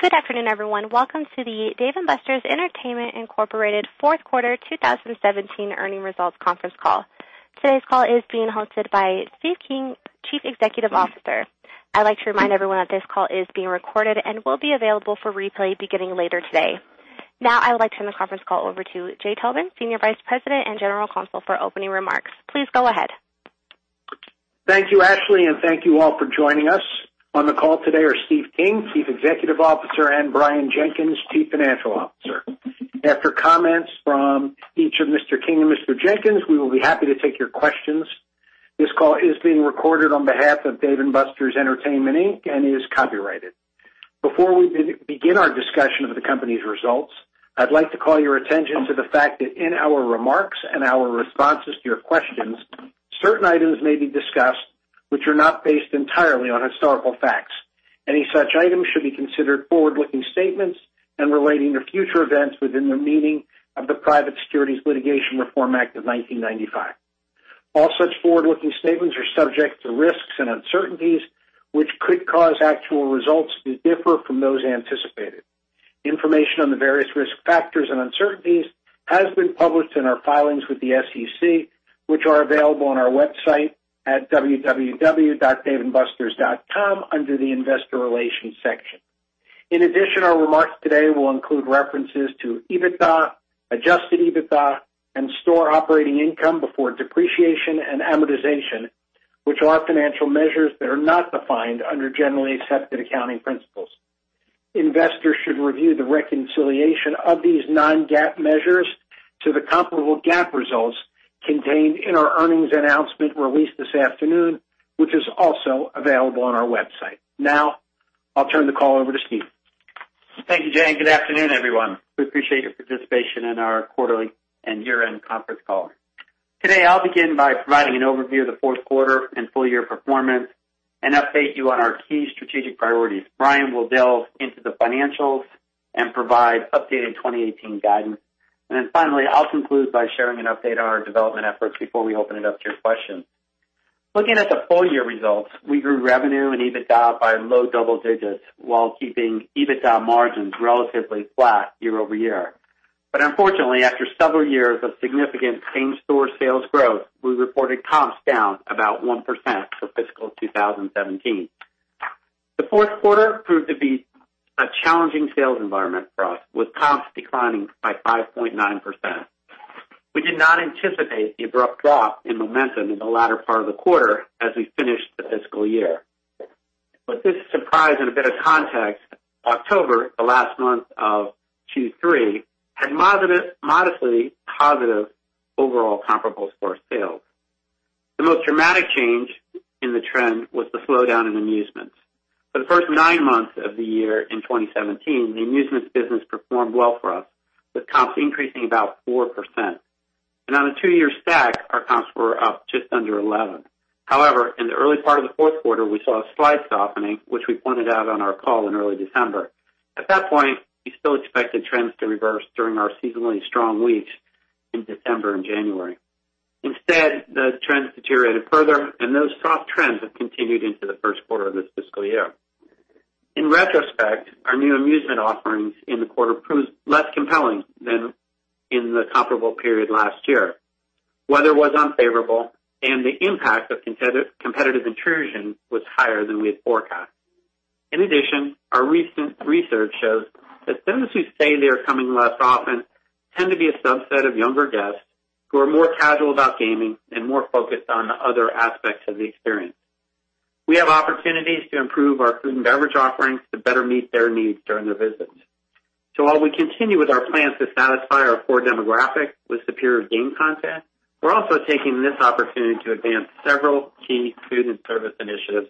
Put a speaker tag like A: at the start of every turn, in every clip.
A: Good afternoon, everyone. Welcome to the Dave & Buster's Entertainment Incorporated Fourth Quarter 2017 Earnings Results Conference Call. Today's call is being hosted by Steve King, Chief Executive Officer. I would like to remind everyone that this call is being recorded and will be available for replay beginning later today. I would like to turn the conference call over to Jay Tobin, Senior Vice President and General Counsel for opening remarks. Please go ahead.
B: Thank you, Ashley, and thank you all for joining us. On the call today are Steve King, Chief Executive Officer, and Brian Jenkins, Chief Financial Officer. After comments from each of Mr. King and Mr. Jenkins, we will be happy to take your questions. This call is being recorded on behalf of Dave & Buster's Entertainment Inc. and is copyrighted. Before we begin our discussion of the company's results, I would like to call your attention to the fact that in our remarks and our responses to your questions, certain items may be discussed which are not based entirely on historical facts. Any such items should be considered forward-looking statements and relating to future events within the meaning of the Private Securities Litigation Reform Act of 1995. All such forward-looking statements are subject to risks and uncertainties, which could cause actual results to differ from those anticipated. Information on the various risk factors and uncertainties has been published in our filings with the SEC, which are available on our website at www.daveandbusters.com under the investor relations section. In addition, our remarks today will include references to EBITDA, adjusted EBITDA, and store operating income before depreciation and amortization, which are financial measures that are not defined under generally accepted accounting principles. Investors should review the reconciliation of these non-GAAP measures to the comparable GAAP results contained in our earnings announcement released this afternoon, which is also available on our website. I will turn the call over to Steve.
C: Thank you, Jay, and good afternoon, everyone. We appreciate your participation in our quarterly and year-end conference call. Today, I will begin by providing an overview of the fourth quarter and full year performance and update you on our key strategic priorities. Brian will delve into the financials and provide updated 2018 guidance. Then finally, I will conclude by sharing an update on our development efforts before we open it up to your questions. Looking at the full-year results, we grew revenue and EBITDA by low double digits while keeping EBITDA margins relatively flat year-over-year. Unfortunately, after several years of significant same-store sales growth, we reported comps down about 1% for fiscal 2017. The fourth quarter proved to be a challenging sales environment for us, with comps declining by 5.9%. We did not anticipate the abrupt drop in momentum in the latter part of the quarter as we finished the fiscal year. To put this surprise in a bit of context, October, the last month of Q3, had modestly positive overall comparable store sales. The most dramatic change in the trend was the slowdown in amusements. For the first nine months of the year in 2017, the amusements business performed well for us, with comps increasing about 4%. On a two-year stack, our comps were up just under 11%. In the early part of the fourth quarter, we saw a slight softening, which we pointed out on our call in early December. At that point, we still expected trends to reverse during our seasonally strong weeks in December and January. The trends deteriorated further, and those soft trends have continued into the first quarter of this fiscal year. In retrospect, our new amusement offerings in the quarter proved less compelling than in the comparable period last year. Weather was unfavorable, and the impact of competitive intrusion was higher than we had forecast. In addition, our recent research shows that those who say they are coming less often tend to be a subset of younger guests who are more casual about gaming and more focused on the other aspects of the experience. We have opportunities to improve our Food and Beverage offerings to better meet their needs during their visits. While we continue with our plans to satisfy our core demographic with superior game content, we're also taking this opportunity to advance several key food and service initiatives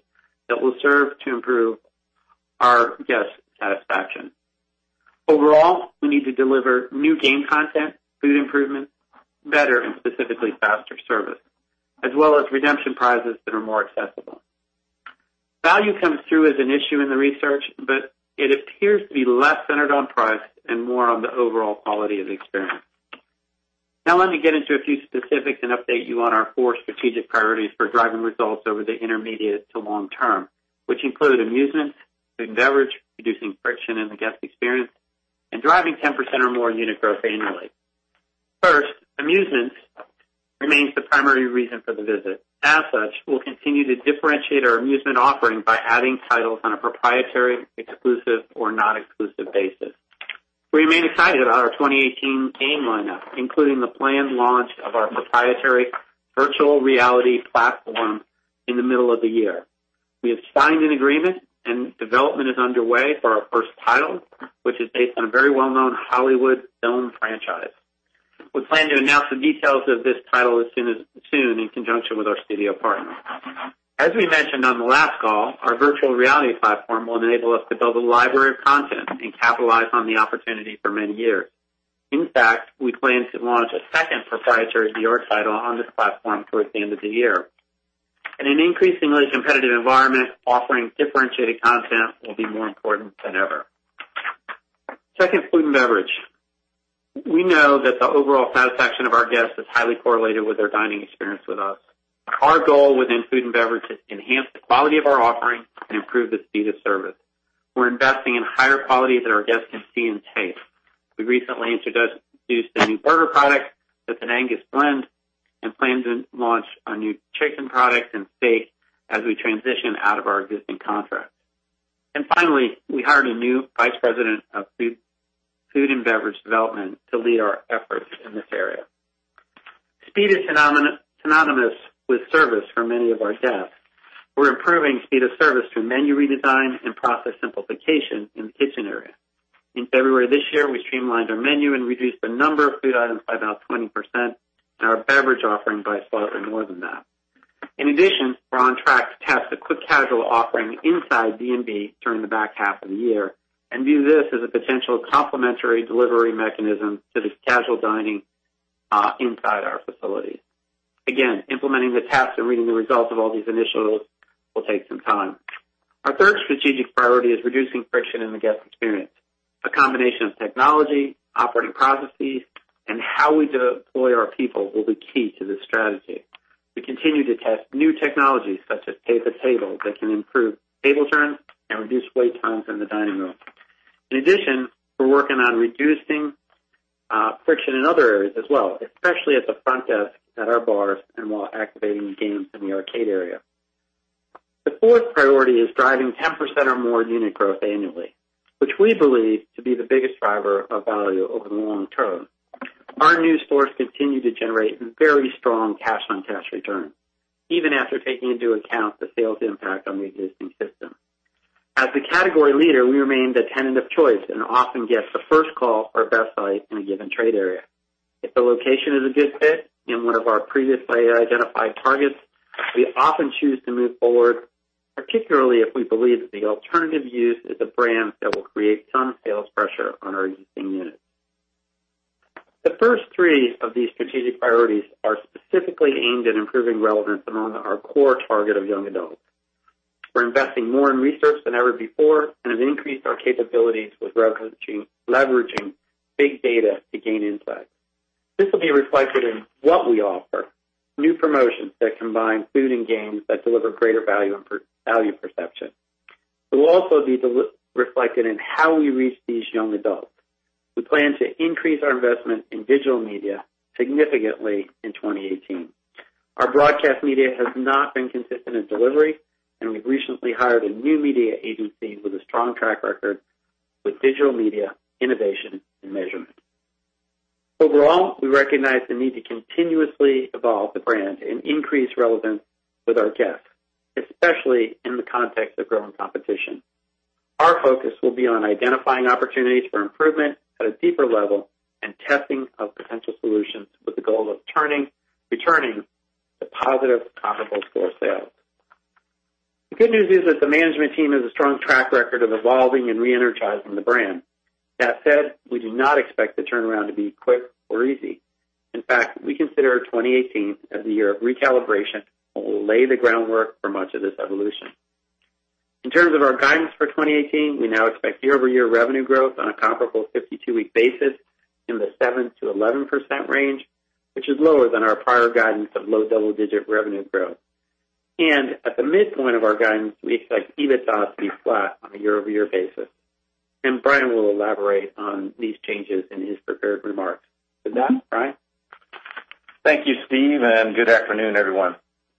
C: that will serve to improve our guest satisfaction. We need to deliver new game content, food improvements, better and specifically faster service, as well as redemption prizes that are more accessible. Value comes through as an issue in the research, but it appears to be less centered on price and more on the overall quality of the experience. Let me get into a few specifics and update you on our four strategic priorities for driving results over the intermediate to long term, which include amusement, Food and Beverage, reducing friction in the guest experience, and driving 10% or more unit growth annually. Amusement remains the primary reason for the visit. We'll continue to differentiate our amusement offering by adding titles on a proprietary, exclusive or non-exclusive basis. We remain excited about our 2018 game lineup, including the planned launch of our proprietary virtual reality platform in the middle of the year. We have signed an agreement, and development is underway for our first title, which is based on a very well-known Hollywood film franchise. We plan to announce the details of this title soon in conjunction with our studio partners. We mentioned on the last call, our virtual reality platform will enable us to build a library of content and capitalize on the opportunity for many years. We plan to launch a second proprietary VR title on this platform towards the end of the year. An increasingly competitive environment, offering differentiated content will be more important than ever. Food and Beverage. We know that the overall satisfaction of our guests is highly correlated with their dining experience with us. Our goal within Food and Beverage is to enhance the quality of our offering and improve the speed of service. We're investing in higher quality that our guests can see and taste. We recently introduced a new burger product that's an Angus blend and plan to launch a new chicken product and steak as we transition out of our existing contract. Finally, we hired a new Vice President of Food and Beverage Development to lead our efforts in this area. Speed is synonymous with service for many of our guests. We're improving speed of service through menu redesign and process simplification in the kitchen area. In February this year, we streamlined our menu and reduced the number of food items by about 20% and our beverage offering by slightly more than that. In addition, we're on track to test a quick casual offering inside D&B during the back half of the year and view this as a potential complementary delivery mechanism to the casual dining inside our facilities. Implementing the tests and reading the results of all these initiatives will take some time. Our third strategic priority is reducing friction in the guest experience. A combination of technology, operating processes, and how we deploy our people will be key to this strategy. We continue to test new technologies such as pay-at-the-table that can improve table turns and reduce wait times in the dining room. In addition, we're working on reducing friction in other areas as well, especially at the front desk, at our bars, and while activating games in the arcade area. The fourth priority is driving 10% or more unit growth annually, which we believe to be the biggest driver of value over the long term. Our new stores continue to generate very strong cash-on-cash return, even after taking into account the sales impact on the existing system. As the category leader, we remain the tenant of choice and often get the first call or best site in a given trade area. If the location is a good fit in one of our previously identified targets, we often choose to move forward, particularly if we believe that the alternative use is a brand that will create some sales pressure on our existing units. The first three of these strategic priorities are specifically aimed at improving relevance among our core target of young adults. We're investing more in research than ever before and have increased our capabilities with leveraging big data to gain insights. This will be reflected in what we offer, new promotions that combine food and games that deliver greater value perception. It will also be reflected in how we reach these young adults. We plan to increase our investment in digital media significantly in 2018. Our broadcast media has not been consistent in delivery. We've recently hired a new media agency with a strong track record with digital media, innovation, and measurement. Overall, we recognize the need to continuously evolve the brand and increase relevance with our guests, especially in the context of growing competition. Our focus will be on identifying opportunities for improvement at a deeper level and testing of potential solutions with the goal of returning to positive comparable store sales. The good news is that the management team has a strong track record of evolving and re-energizing the brand. That said, we do not expect the turnaround to be quick or easy. In fact, we consider 2018 as the year of recalibration, where we'll lay the groundwork for much of this evolution. In terms of our guidance for 2018, we now expect year-over-year revenue growth on a comparable 52-week basis in the 7%-11% range, which is lower than our prior guidance of low double-digit revenue growth. At the midpoint of our guidance, we expect EBITDA to be flat on a year-over-year basis. Brian will elaborate on these changes in his prepared remarks. With that, Brian?
D: Thank you, Steve, and good afternoon, everyone.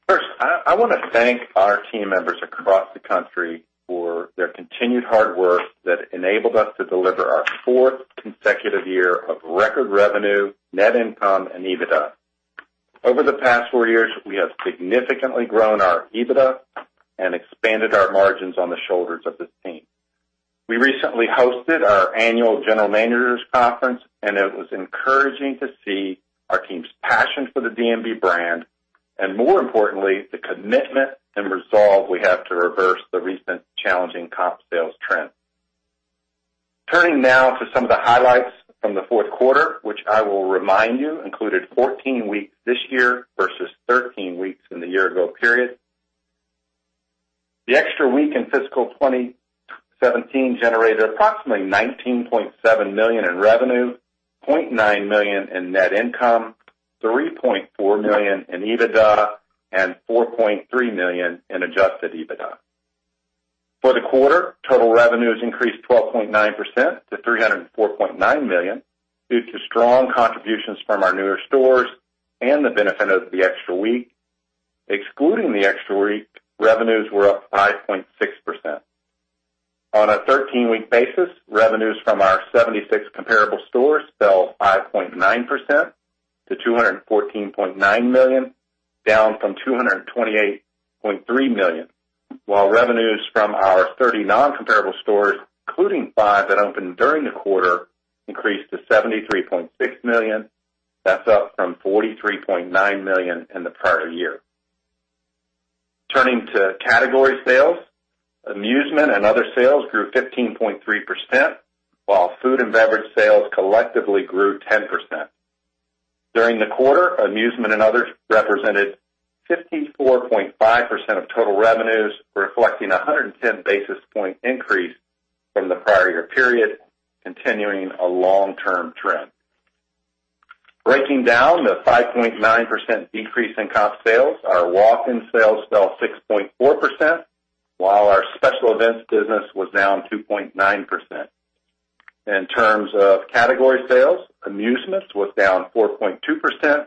D: First, I want to thank our team members across the country for their continued hard work that enabled us to deliver our fourth consecutive year of record revenue, net income, and EBITDA. Over the past four years, we have significantly grown our EBITDA and expanded our margins on the shoulders of this team. We recently hosted our annual general managers conference, and it was encouraging to see our team's passion for the D&B brand, and more importantly, the commitment and resolve we have to reverse the recent challenging comp sales trend. Turning now to some of the highlights from the fourth quarter, which I will remind you included 14 weeks this year versus 13 weeks in the year-ago period. The extra week in fiscal 2017 generated approximately $19.7 million in revenue, $0.9 million in net income, $3.4 million in EBITDA, and $4.3 million in adjusted EBITDA. For the quarter, total revenues increased 12.9% to $304.9 million due to strong contributions from our newer stores and the benefit of the extra week. Excluding the extra week, revenues were up 5.6%. On a 13-week basis, revenues from our 76 comparable stores fell 5.9% to $214.9 million, down from $228.3 million, while revenues from our 30 non-comparable stores, including five that opened during the quarter, increased to $73.6 million. That's up from $43.9 million in the prior year. Turning to category sales, amusement and other sales grew 15.3%, while food and beverage sales collectively grew 10%. During the quarter, amusement and others represented 54.5% of total revenues, reflecting 110 basis point increase from the prior year period, continuing a long-term trend. Breaking down the 5.9% decrease in comp sales, our walk-in sales fell 6.4%, while our special events business was down 2.9%. In terms of category sales, amusements was down 4.2%,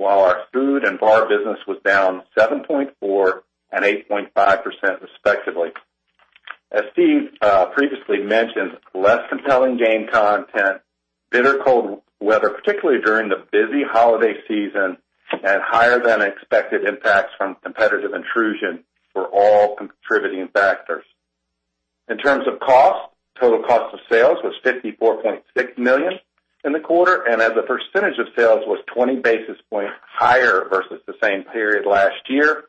D: while our food and bar business was down 7.4% and 8.5% respectively. As Steve previously mentioned, less compelling game content, bitter cold weather, particularly during the busy holiday season, and higher than expected impacts from competitive intrusion were all contributing factors. In terms of cost, total cost of sales was $54.6 million in the quarter, and as a percentage of sales was 20 basis points higher versus the same period last year.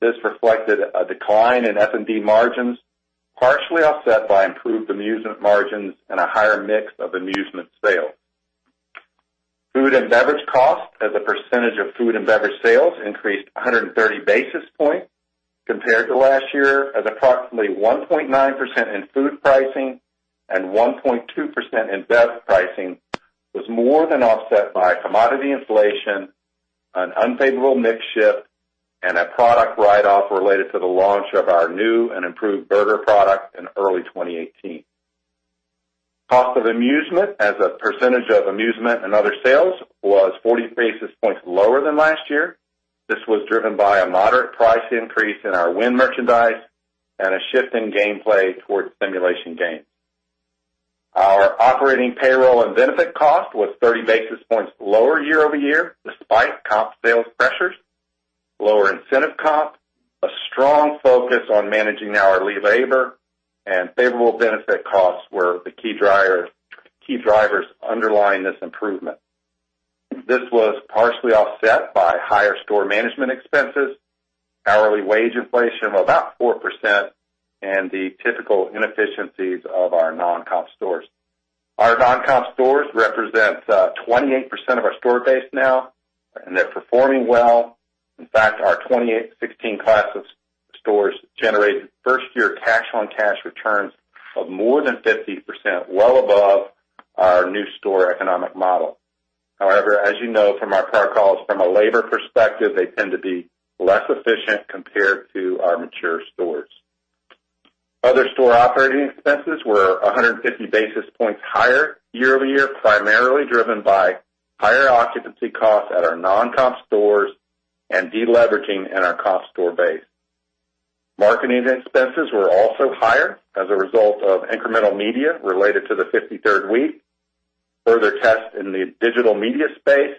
D: This reflected a decline in F&B margins, partially offset by improved amusement margins and a higher mix of amusement sales. Food and beverage cost as a percentage of food and beverage sales increased 130 basis points compared to last year, as approximately 1.9% in food pricing and 1.2% in bev pricing was more than offset by commodity inflation, an unfavorable mix shift, and a product write-off related to the launch of our new and improved burger product in early 2018. Cost of amusement as a percentage of amusement and other sales was 40 basis points lower than last year. This was driven by a moderate price increase in our win merchandise and a shift in gameplay towards simulation games. Our operating payroll and benefit cost was 30 basis points lower year-over-year, despite comp sales pressures, lower incentive comp, a strong focus on managing our hourly labor, and favorable benefit costs were the key drivers underlying this improvement. This was partially offset by higher store management expenses, hourly wage inflation of about 4%, and the typical inefficiencies of our non-comp stores. Our non-comp stores represent 28% of our store base now, and they're performing well. In fact, our 2016 class of stores generated first-year cash-on-cash returns of more than 50%, well above our new store economic model. However, as you know from our prior calls, from a labor perspective, they tend to be less efficient compared to our mature stores. Other store operating expenses were 150 basis points higher year-over-year, primarily driven by higher occupancy costs at our non-comp stores and de-leveraging in our comp store base. Marketing expenses were also higher as a result of incremental media related to the 53rd week, further tests in the digital media space,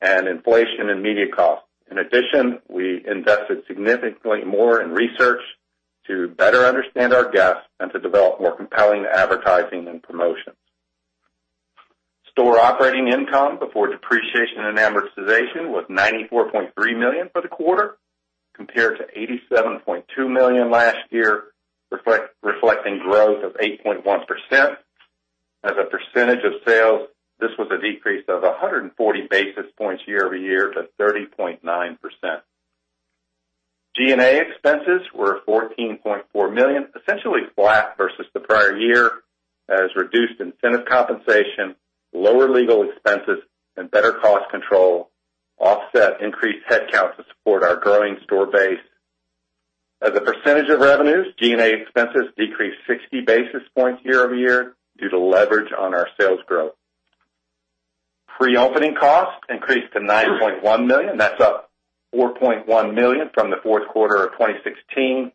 D: and inflation in media costs. In addition, we invested significantly more in research to better understand our guests and to develop more compelling advertising and promotions. Store operating income before depreciation and amortization was $94.3 million for the quarter, compared to $87.2 million last year, reflecting growth of 8.1%. As a percentage of sales, this was a decrease of 140 basis points year-over-year to 30.9%. G&A expenses were $14.4 million, essentially flat versus the prior year, as reduced incentive compensation, lower legal expenses, and better cost control offset increased headcount to support our growing store base. As a percentage of revenues, G&A expenses decreased 60 basis points year-over-year due to leverage on our sales growth. Pre-opening costs increased to $9.1 million. That's up $4.1 million from the fourth quarter of 2016.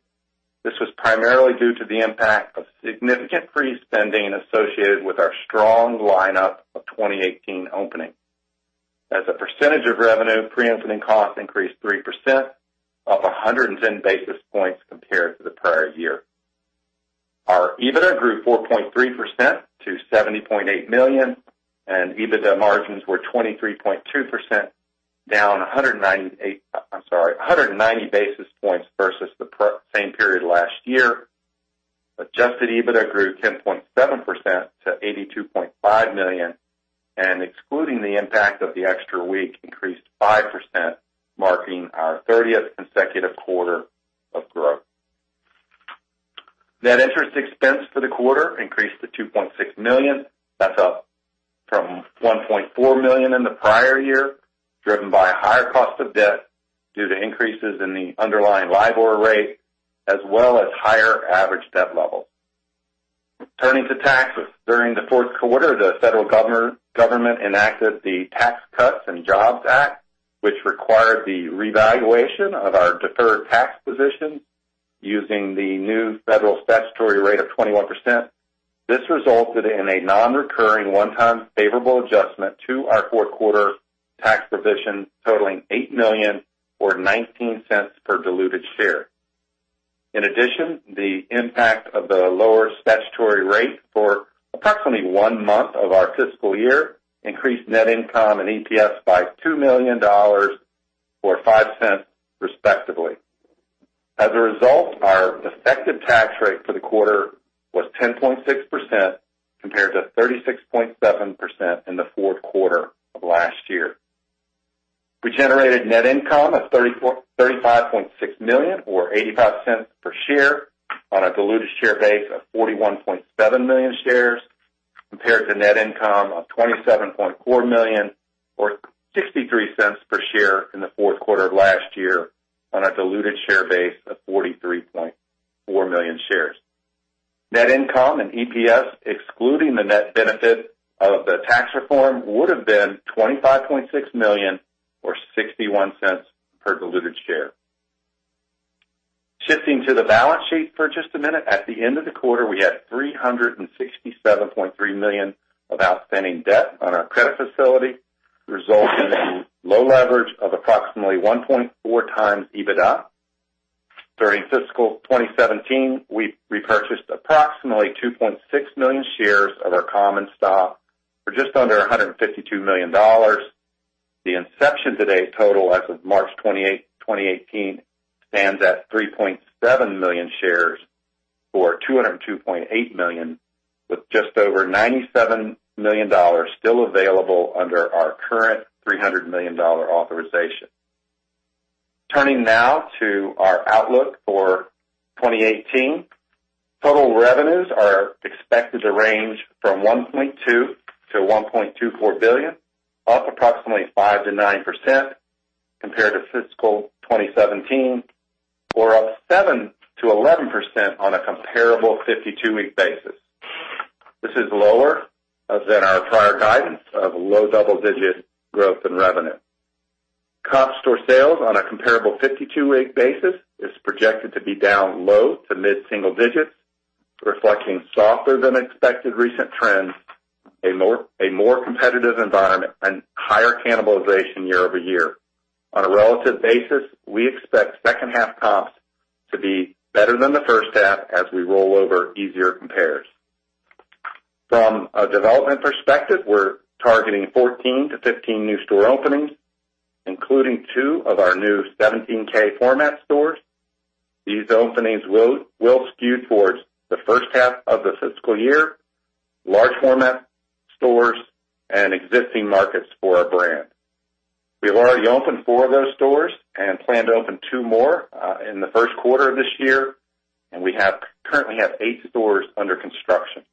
D: This was primarily due to the impact of significant pre-spending associated with our strong lineup of 2018 opening. As a percentage of revenue, pre-opening costs increased 3%, up 110 basis points compared to the prior year. Our EBITDA grew 4.3% to $70.8 million, and EBITDA margins were 23.2%, down 190 basis points versus the same period last year. Adjusted EBITDA grew 10.7% to $82.5 million, and excluding the impact of the extra week, increased 5%, marking our 30th consecutive quarter of growth. Net interest expense for the quarter increased to $2.6 million. That's up from $1.4 million in the prior year, driven by higher cost of debt due to increases in the underlying LIBOR rate, as well as higher average debt levels. Turning to taxes. During the fourth quarter, the federal government enacted the Tax Cuts and Jobs Act, which required the revaluation of our deferred tax position using the new federal statutory rate of 21%. This resulted in a non-recurring one-time favorable adjustment to our fourth quarter tax position totaling $8 million, or $0.19 per diluted share. In addition, the impact of the lower statutory rate for approximately one month of our fiscal year increased net income and EPS by $2 million, or $0.05. Our effective tax rate for the quarter was 10.6%, compared to 36.7% in the fourth quarter of last year. We generated net income of $35.6 million, or $0.85 per share on a diluted share base of 41.7 million shares, compared to net income of $27.4 million or $0.63 per share in the fourth quarter of last year on a diluted share base of 43.4 million shares. Net income and EPS, excluding the net benefit of the tax reform, would have been $25.6 million or $0.61 per diluted share. Shifting to the balance sheet for just a minute. At the end of the quarter, we had $367.3 million of outstanding debt on our credit facility, resulting in low leverage of approximately 1.4x EBITDA. During fiscal 2017, we repurchased approximately 2.6 million shares of our common stock for just under $152 million. The inception to date total as of March 2018 stands at 3.7 million shares, or $202.8 million, with just over $97 million still available under our current $300 million authorization. Turning now to our outlook for 2018. Total revenues are expected to range from $1.2 billion-$1.24 billion, up approximately 5%-9% compared to fiscal 2017, or up 7%-11% on a comparable 52-week basis. This is lower than our prior guidance of low double-digit growth in revenue. Comp store sales on a comparable 52-week basis is projected to be down low to mid-single digits, reflecting softer than expected recent trends, a more competitive environment, and higher cannibalization year-over-year. On a relative basis, we expect second half comps to be better than the first half as we roll over easier compares. From a development perspective, we're targeting 14-15 new store openings, including two of our new 17K format stores. These openings will skew towards the first half of the fiscal year, large format stores and existing markets for our brand. We've already opened four of those stores and plan to open two more in the first quarter of this year, and we currently have eight stores under construction.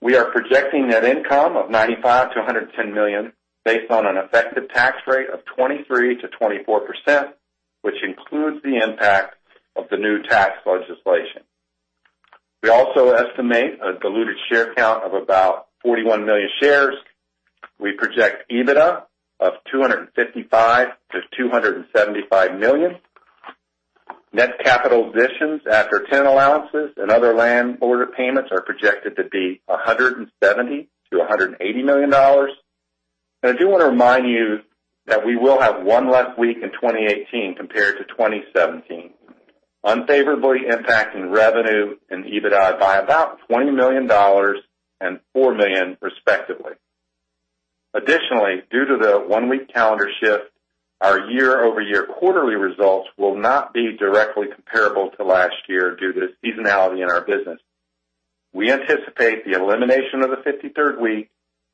D: We are projecting net income of $95 million-$110 million based on an effective tax rate of 23%-24%, which includes the impact of the new tax legislation. We also estimate a diluted share count of about 41 million shares. We project EBITDA of $255 million-$275 million. Net capital additions after tenant allowances and other land order payments are projected to be $170 million-$180 million. I do want to remind you that we will have one less week in 2018 compared to 2017, unfavorably impacting revenue and EBITDA by about $20 million and $4 million, respectively. Additionally, due to the one-week calendar shift, our year-over-year quarterly results will not be directly comparable to last year due to seasonality in our business. We anticipate the elimination of the 53rd week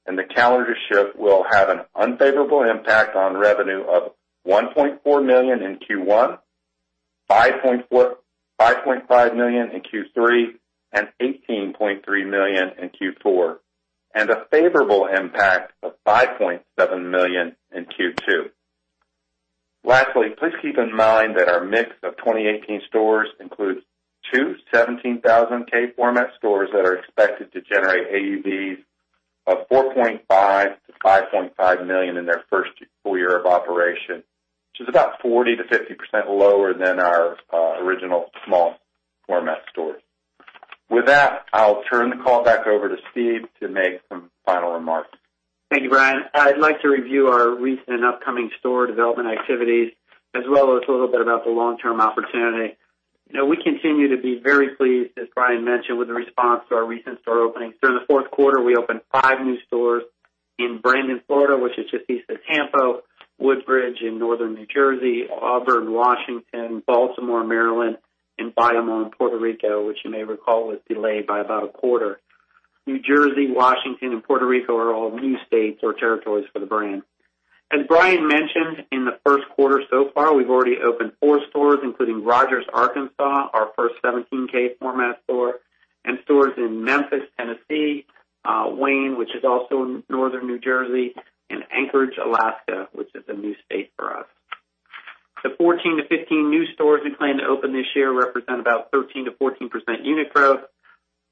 D: and the calendar shift will have an unfavorable impact on revenue of $1.4 million in Q1, $5.5 million in Q3, and $18.3 million in Q4, and a favorable impact of $5.7 million in Q2. Lastly, please keep in mind that our mix of 2018 stores includes two 17,000K format stores that are expected to generate AUVs of $4.5 million to $5.5 million in their first full year of operation, which is about 40%-50% lower than our original small format stores. With that, I'll turn the call back over to Steve to make some final remarks.
C: Thank you, Brian. I'd like to review our recent and upcoming store development activities, as well as a little bit about the long-term opportunity. We continue to be very pleased, as Brian mentioned, with the response to our recent store openings. During the fourth quarter, we opened five new stores in Brandon, Florida, which is just east of Tampa; Woodbridge in northern New Jersey; Auburn, Washington; Baltimore, Maryland; and Bayamón, Puerto Rico, which you may recall was delayed by about a quarter. New Jersey, Washington, and Puerto Rico are all new states or territories for the brand. As Brian mentioned, in the first quarter so far, we've already opened four stores, including Rogers, Arkansas, our first 17K format store, and stores in Memphis, Tennessee, Wayne, which is also in northern New Jersey, and Anchorage, Alaska, which is a new state for us. The 14 to 15 new stores we plan to open this year represent about 13%-14% unit growth,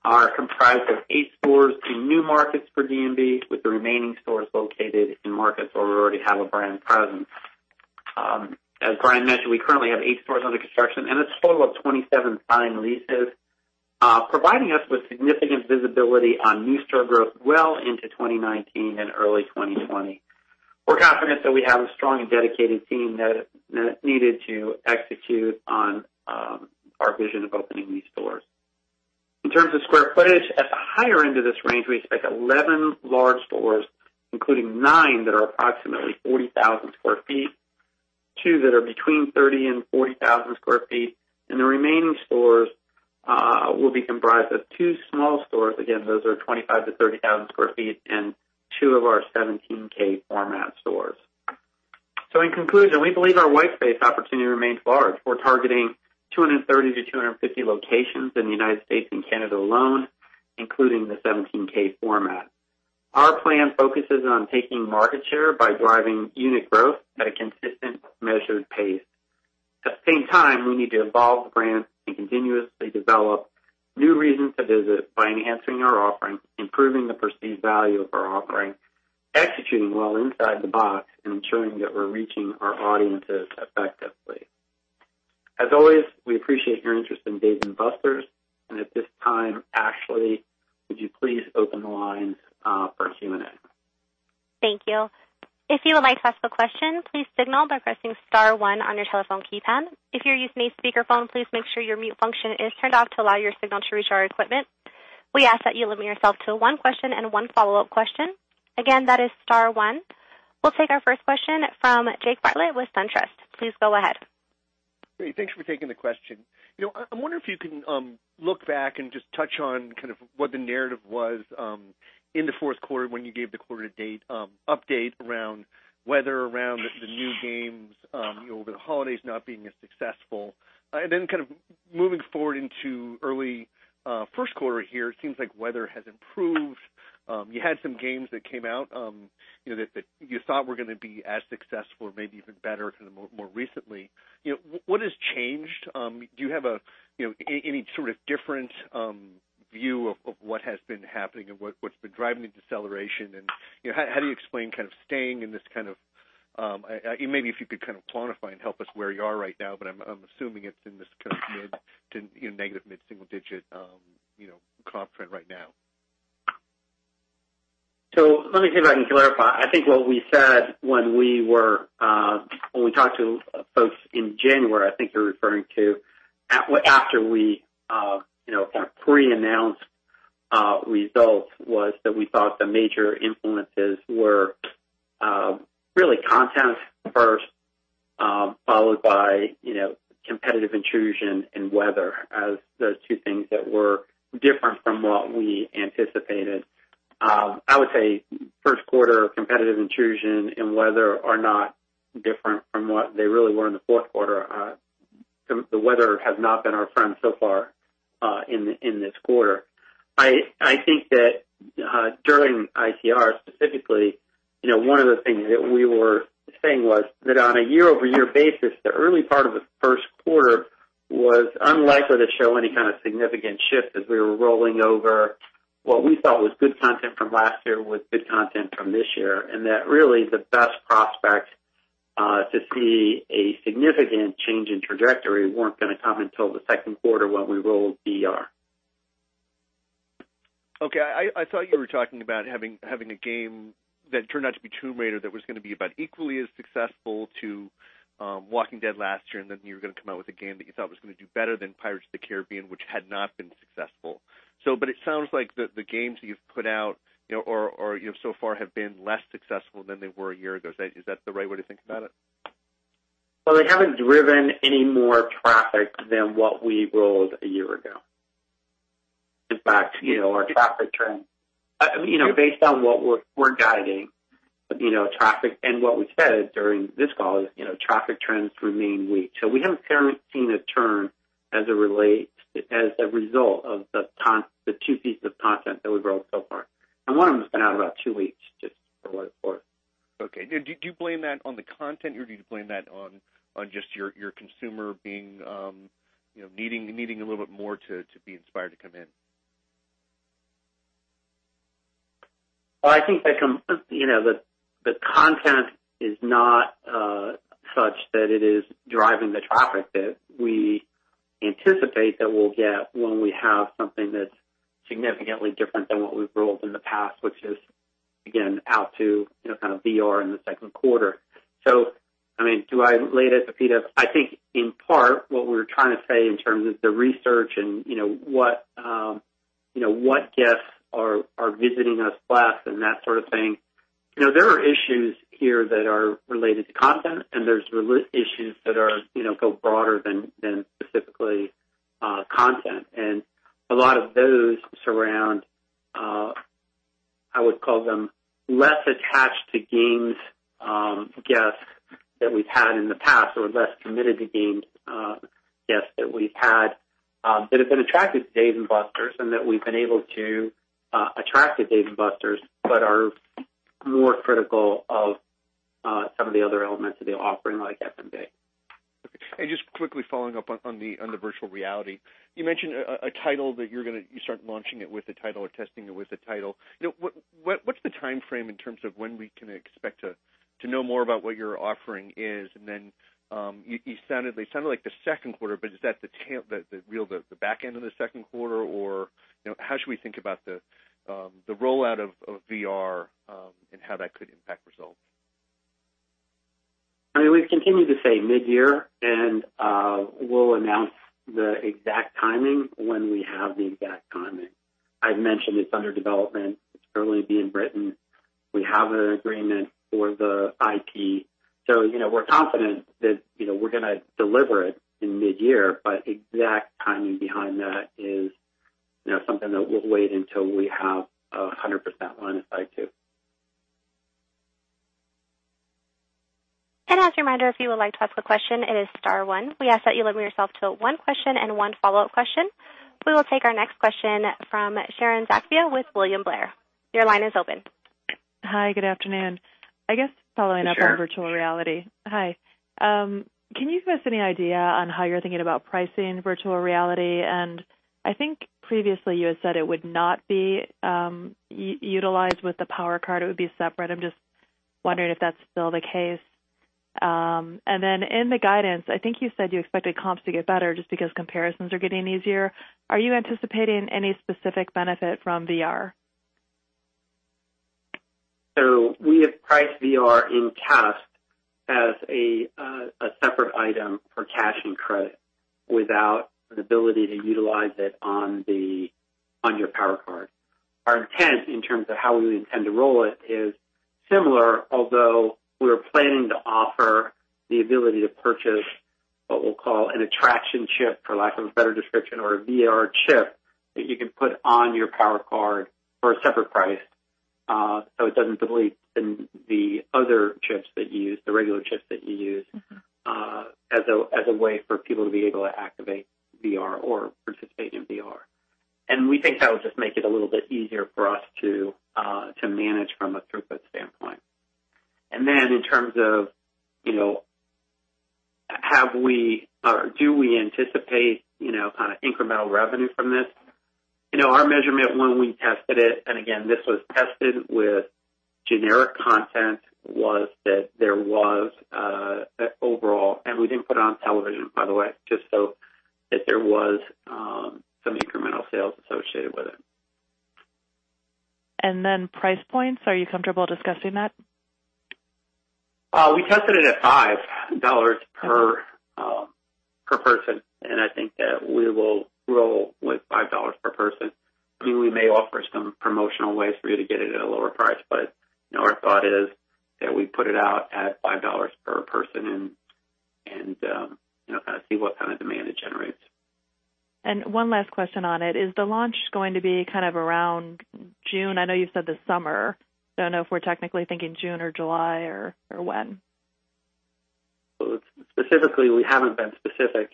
C: are comprised of eight stores in new markets for D&B, with the remaining stores located in markets where we already have a brand presence. As Brian mentioned, we currently have eight stores under construction and a total of 27 signed leases, providing us with significant visibility on new store growth well into 2019 and early 2020. We're confident that we have a strong and dedicated team that's needed to execute on our vision of opening new stores. In terms of square footage, at the higher end of this range, we expect 11 large stores, including nine that are approximately 40,000 square feet, two that are between 30,000 and 40,000 square feet, and the remaining stores will be comprised of two small stores. Again, those are 25,000 to 30,000 square feet, and two of our 17K format stores. In conclusion, we believe our white space opportunity remains large. We're targeting 230 to 250 locations in the U.S. and Canada alone, including the 17K format. Our plan focuses on taking market share by driving unit growth at a consistent, measured pace. At the same time, we need to evolve the brand and continuously develop new reasons to visit by enhancing our offering, improving the perceived value of our offering, executing well inside the box, and ensuring that we're reaching our audiences effectively. As always, we appreciate your interest in Dave & Buster's. At this time, Ashley, would you please open the lines for Q&A?
A: Thank you. If you would like to ask a question, please signal by pressing star one on your telephone keypad. If you're using a speakerphone, please make sure your mute function is turned off to allow your signal to reach our equipment. We ask that you limit yourself to one question and one follow-up question. Again, that is star one. We'll take our first question from Jake Bartlett with SunTrust. Please go ahead.
E: Great. Thanks for taking the question. I wonder if you can look back and just touch on what the narrative was in the fourth quarter when you gave the quarter date update around weather, around the new games, over the holidays not being as successful. Moving forward into early first quarter here, it seems like weather has improved. You had some games that came out that you thought were going to be as successful or maybe even better more recently. What has changed? Do you have any sort of different view of what has been happening and what's been driving the deceleration? How do you explain kind of staying in this maybe if you could kind of quantify and help us where you are right now, but I'm assuming it's in this kind of mid to negative mid-single digit comp trend right now.
C: Let me see if I can clarify. I think what we said when we talked to folks in January, I think you're referring to, after we kind of pre-announced results, was that we thought the major influences were really content first, followed by competitive intrusion and weather as those two things that were different from what we anticipated. I would say first quarter competitive intrusion and weather are not different from what they really were in the fourth quarter. The weather has not been our friend so far in this quarter. I think that during ICR specifically, one of the things that we were saying was that on a year-over-year basis, the early part of the first quarter was unlikely to show any kind of significant shift as we were rolling over what we thought was good content from last year with good content from this year. That really the best prospect to see a significant change in trajectory weren't going to come until the second quarter when we rolled VR.
E: Okay. I thought you were talking about having a game that turned out to be Tomb Raider that was going to be about equally as successful to Walking Dead last year, and then you were going to come out with a game that you thought was going to do better than Pirates of the Caribbean, which had not been successful. It sounds like the games that you've put out so far have been less successful than they were a year ago. Is that the right way to think about it?
C: Well, they haven't driven any more traffic than what we rolled a year ago. In fact, our traffic trend, based on what we're guiding traffic and what we said during this call is traffic trends remain weak. We haven't seen a turn as a result of the 2 pieces of content that we've rolled so far, and one of them has been out about 2 weeks, just for what it's worth.
E: Okay. Do you blame that on the content, or do you blame that on just your consumer needing a little bit more to be inspired to come in?
C: I think that the content is not such that it is driving the traffic that we anticipate that we'll get when we have something that's significantly different than what we've rolled in the past, which is, again, out to kind of VR in the second quarter. Do I lay it at the feet of, in part, what we're trying to say in terms of the research and what guests are visiting us less and that sort of thing. There are issues here that are related to content, and there's issues that go broader than specifically content. A lot of those surround, I would call them less attached to games guests that we've had in the past, or less committed to games guests that we've had that have been attracted to Dave & Buster's and that we've been able to attract to Dave & Buster's but are more critical of some of the other elements of the offering, like F&B.
E: Okay. Just quickly following up on the virtual reality. You mentioned a title that you start launching it with a title or testing it with a title. What's the timeframe in terms of when we can expect to know more about what your offering is? Then it sounded like the second quarter, but is that the real back end of the second quarter, or how should we think about the rollout of VR and how that could impact results?
C: We've continued to say mid-year, and we'll announce the exact timing when we have the exact timing. I've mentioned it's under development. It's currently being written. We have an agreement for the IT. We're confident that we're going to deliver it in mid-year, but exact timing behind that is something that we'll wait until we have 100% line of sight to.
A: As a reminder, if you would like to ask a question, it is star one. We ask that you limit yourself to one question and one follow-up question. We will take our next question from Sharon Zackfia with William Blair. Your line is open.
F: Hi, good afternoon. I guess following up-
C: Sure
F: on virtual reality. Hi. Can you give us any idea on how you're thinking about pricing virtual reality? I think previously you had said it would not be utilized with the Power Card, it would be separate. I'm just wondering if that's still the case. Then in the guidance, I think you said you expected comps to get better just because comparisons are getting easier. Are you anticipating any specific benefit from VR?
C: We have priced VR in cash as a separate item for cash and credit without the ability to utilize it on your Power Card. Our intent in terms of how we intend to roll it is similar, although we're planning to offer the ability to purchase what we'll call an attraction chip, for lack of a better description, or a VR chip that you can put on your Power Card for a separate price. It doesn't delete the other chips that you use, the regular chips that you use- as a way for people to be able to activate VR or participate in VR. We think that will just make it a little bit easier for us to manage from a throughput standpoint. Then in terms of do we anticipate kind of incremental revenue from this? Our measurement when we tested it, and again, this was tested with generic content, was that there was overall, and we didn't put it on television, by the way, just so that there was some incremental sales associated with it.
F: Then price points, are you comfortable discussing that?
C: We tested it at $5 per person. I think that we will roll with $5 per person. We may offer some promotional ways for you to get it at a lower price, our thought is that we put it out at $5 per person and kind of see what kind of demand it generates.
F: One last question on it, is the launch going to be kind of around June? I know you've said this summer, I don't know if we're technically thinking June or July or when.
C: Specifically, we haven't been specific.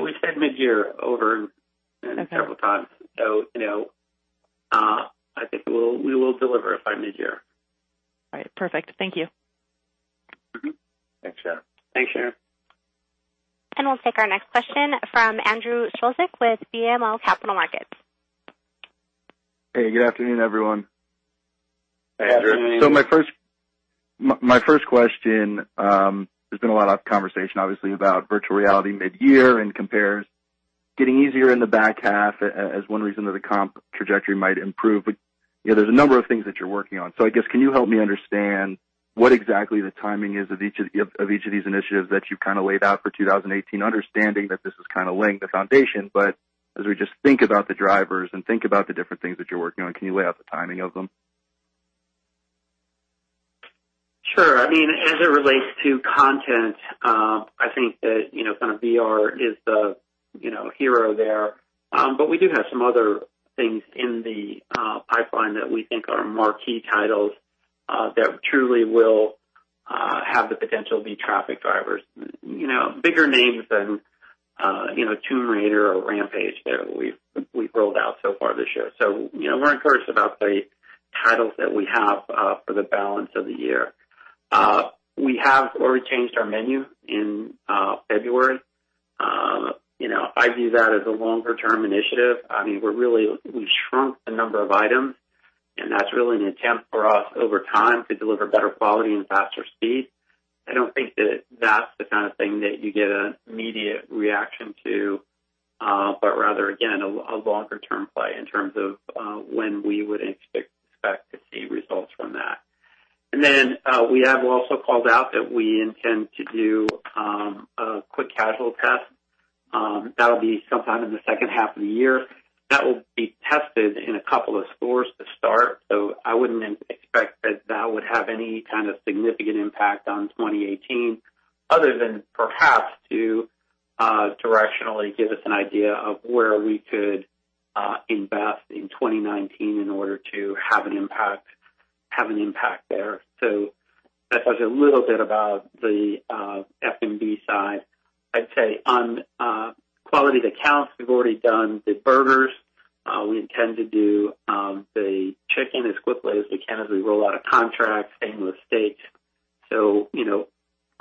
C: We said mid-year over several times.
F: Okay.
C: I think we will deliver by mid-year.
F: All right, perfect. Thank you.
C: Thanks, Sharon.
A: We'll take our next question from Andrew Strelzik with BMO Capital Markets.
G: Hey, good afternoon, everyone.
C: Good afternoon. Hey, Andrew.
G: My first question, there's been a lot of conversation, obviously, about virtual reality mid-year and compares getting easier in the back half as one reason that the comp trajectory might improve. There's a number of things that you're working on. I guess, can you help me understand what exactly the timing is of each of these initiatives that you've kind of laid out for 2018, understanding that this is kind of laying the foundation, but as we just think about the drivers and think about the different things that you're working on, can you lay out the timing of them?
C: Sure. As it relates to content, I think that VR is the hero there. We do have some other things in the pipeline that we think are marquee titles that truly will have the potential to be traffic drivers. Bigger names than Tomb Raider or Rampage that we've rolled out so far this year. We're encouraged about the titles that we have for the balance of the year. We have already changed our menu in February. I view that as a longer-term initiative. We've shrunk the number of items, and that's really an attempt for us over time to deliver better quality and faster speed. I don't think that's the kind of thing that you get an immediate reaction to, but rather, again, a longer-term play in terms of when we would expect to see results from that. We have also called out that we intend to do a quick casual test. That will be sometime in the second half of the year. That will be tested in a couple of stores to start. I wouldn't expect that that would have any kind of significant impact on 2018 other than perhaps to directionally give us an idea of where we could invest in 2019 in order to have an impact there. That tells you a little bit about the F&B side. I would say on quality of the counts, we have already done the burgers. We intend to do the chicken as quickly as we can as we roll out a contract, same with steak.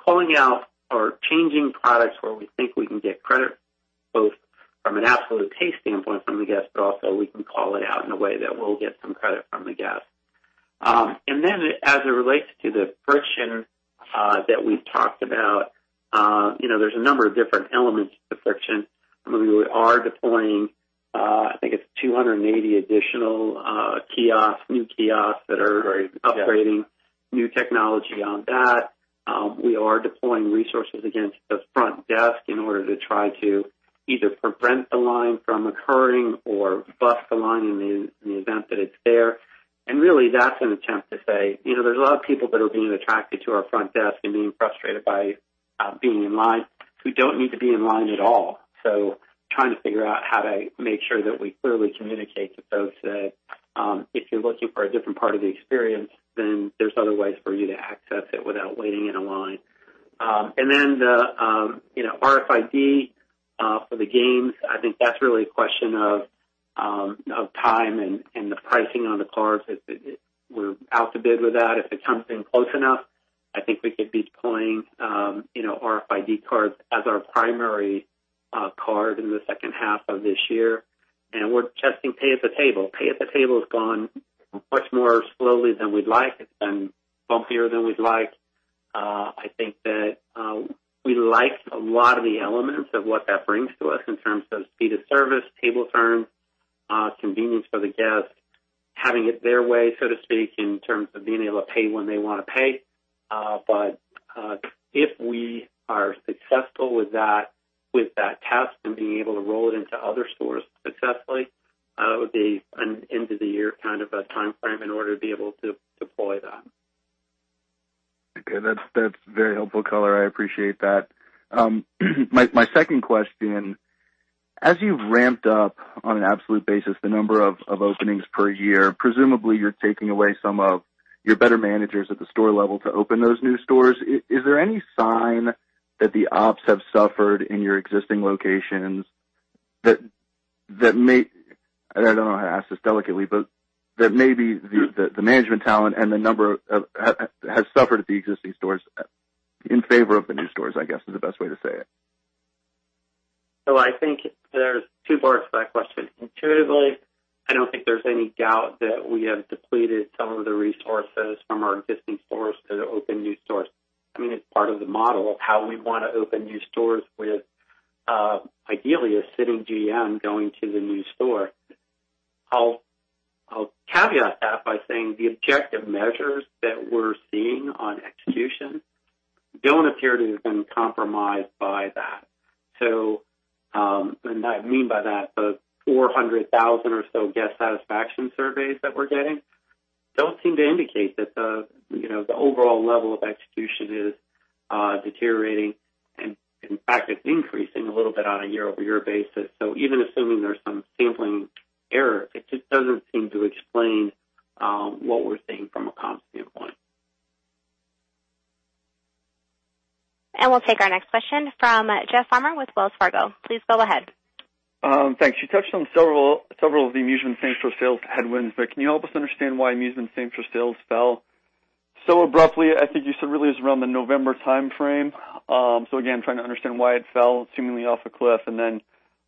C: Calling out or changing products where we think we can get credit both from an absolute taste standpoint from the guest, but also we can call it out in a way that we will get some credit from the guest. As it relates to the friction that we have talked about, there is a number of different elements to friction. We are deploying, I think it is 280 additional kiosks, new kiosks.
G: Right. Yeah.
C: We are upgrading new technology on that. We are deploying resources against the front desk in order to try to either prevent the line from occurring or bust the line in the event that it is there. Really that is an attempt to say, there is a lot of people that are being attracted to our front desk and being frustrated by being in line who do not need to be in line at all. Trying to figure out how to make sure that we clearly communicate to folks that, if you are looking for a different part of the experience, then there are other ways for you to access it without waiting in a line. The RFID for the games, I think that is really a question of time and the pricing on the cards. We are out to bid with that. If it comes in close enough, I think we could be deploying RFID cards as our primary card in the second half of this year. We're testing Pay at the table. Pay at the table has gone much more slowly than we'd like. It's been bumpier than we'd like. I think that we liked a lot of the elements of what that brings to us in terms of speed of service, table turn, convenience for the guest, having it their way, so to speak, in terms of being able to pay when they want to pay. If we are successful with that test and being able to roll it into other stores successfully, it would be an end-of-the-year kind of a timeframe in order to be able to deploy that.
G: Okay. That's very helpful color. I appreciate that. My second question, as you've ramped up, on an absolute basis, the number of openings per year, presumably you're taking away some of your better managers at the store level to open those new stores. Is there any sign that the ops have suffered in your existing locations that may I don't know how to ask this delicately, but that maybe the management talent and the number has suffered at the existing stores in favor of the new stores, I guess, is the best way to say it.
C: I think there's two parts to that question. Intuitively, I don't think there's any doubt that we have depleted some of the resources from our existing stores to open new stores. It's part of the model of how we want to open new stores with, ideally, a sitting GM going to the new store. I'll caveat that by saying the objective measures that we're seeing on execution don't appear to have been compromised by that. I mean by that, the 400,000 or so guest satisfaction surveys that we're getting don't seem to indicate that the overall level of execution is deteriorating. In fact, it's increasing a little bit on a year-over-year basis. Even assuming there's some sampling error, it just doesn't seem to explain what we're seeing from a comps standpoint.
A: We'll take our next question from Jeff Farmer with Wells Fargo. Please go ahead.
H: Thanks. You touched on several of the amusement same-store sales headwinds, but can you help us understand why amusement same-store sales fell so abruptly? I think you said really it was around the November timeframe. Again, trying to understand why it fell seemingly off a cliff.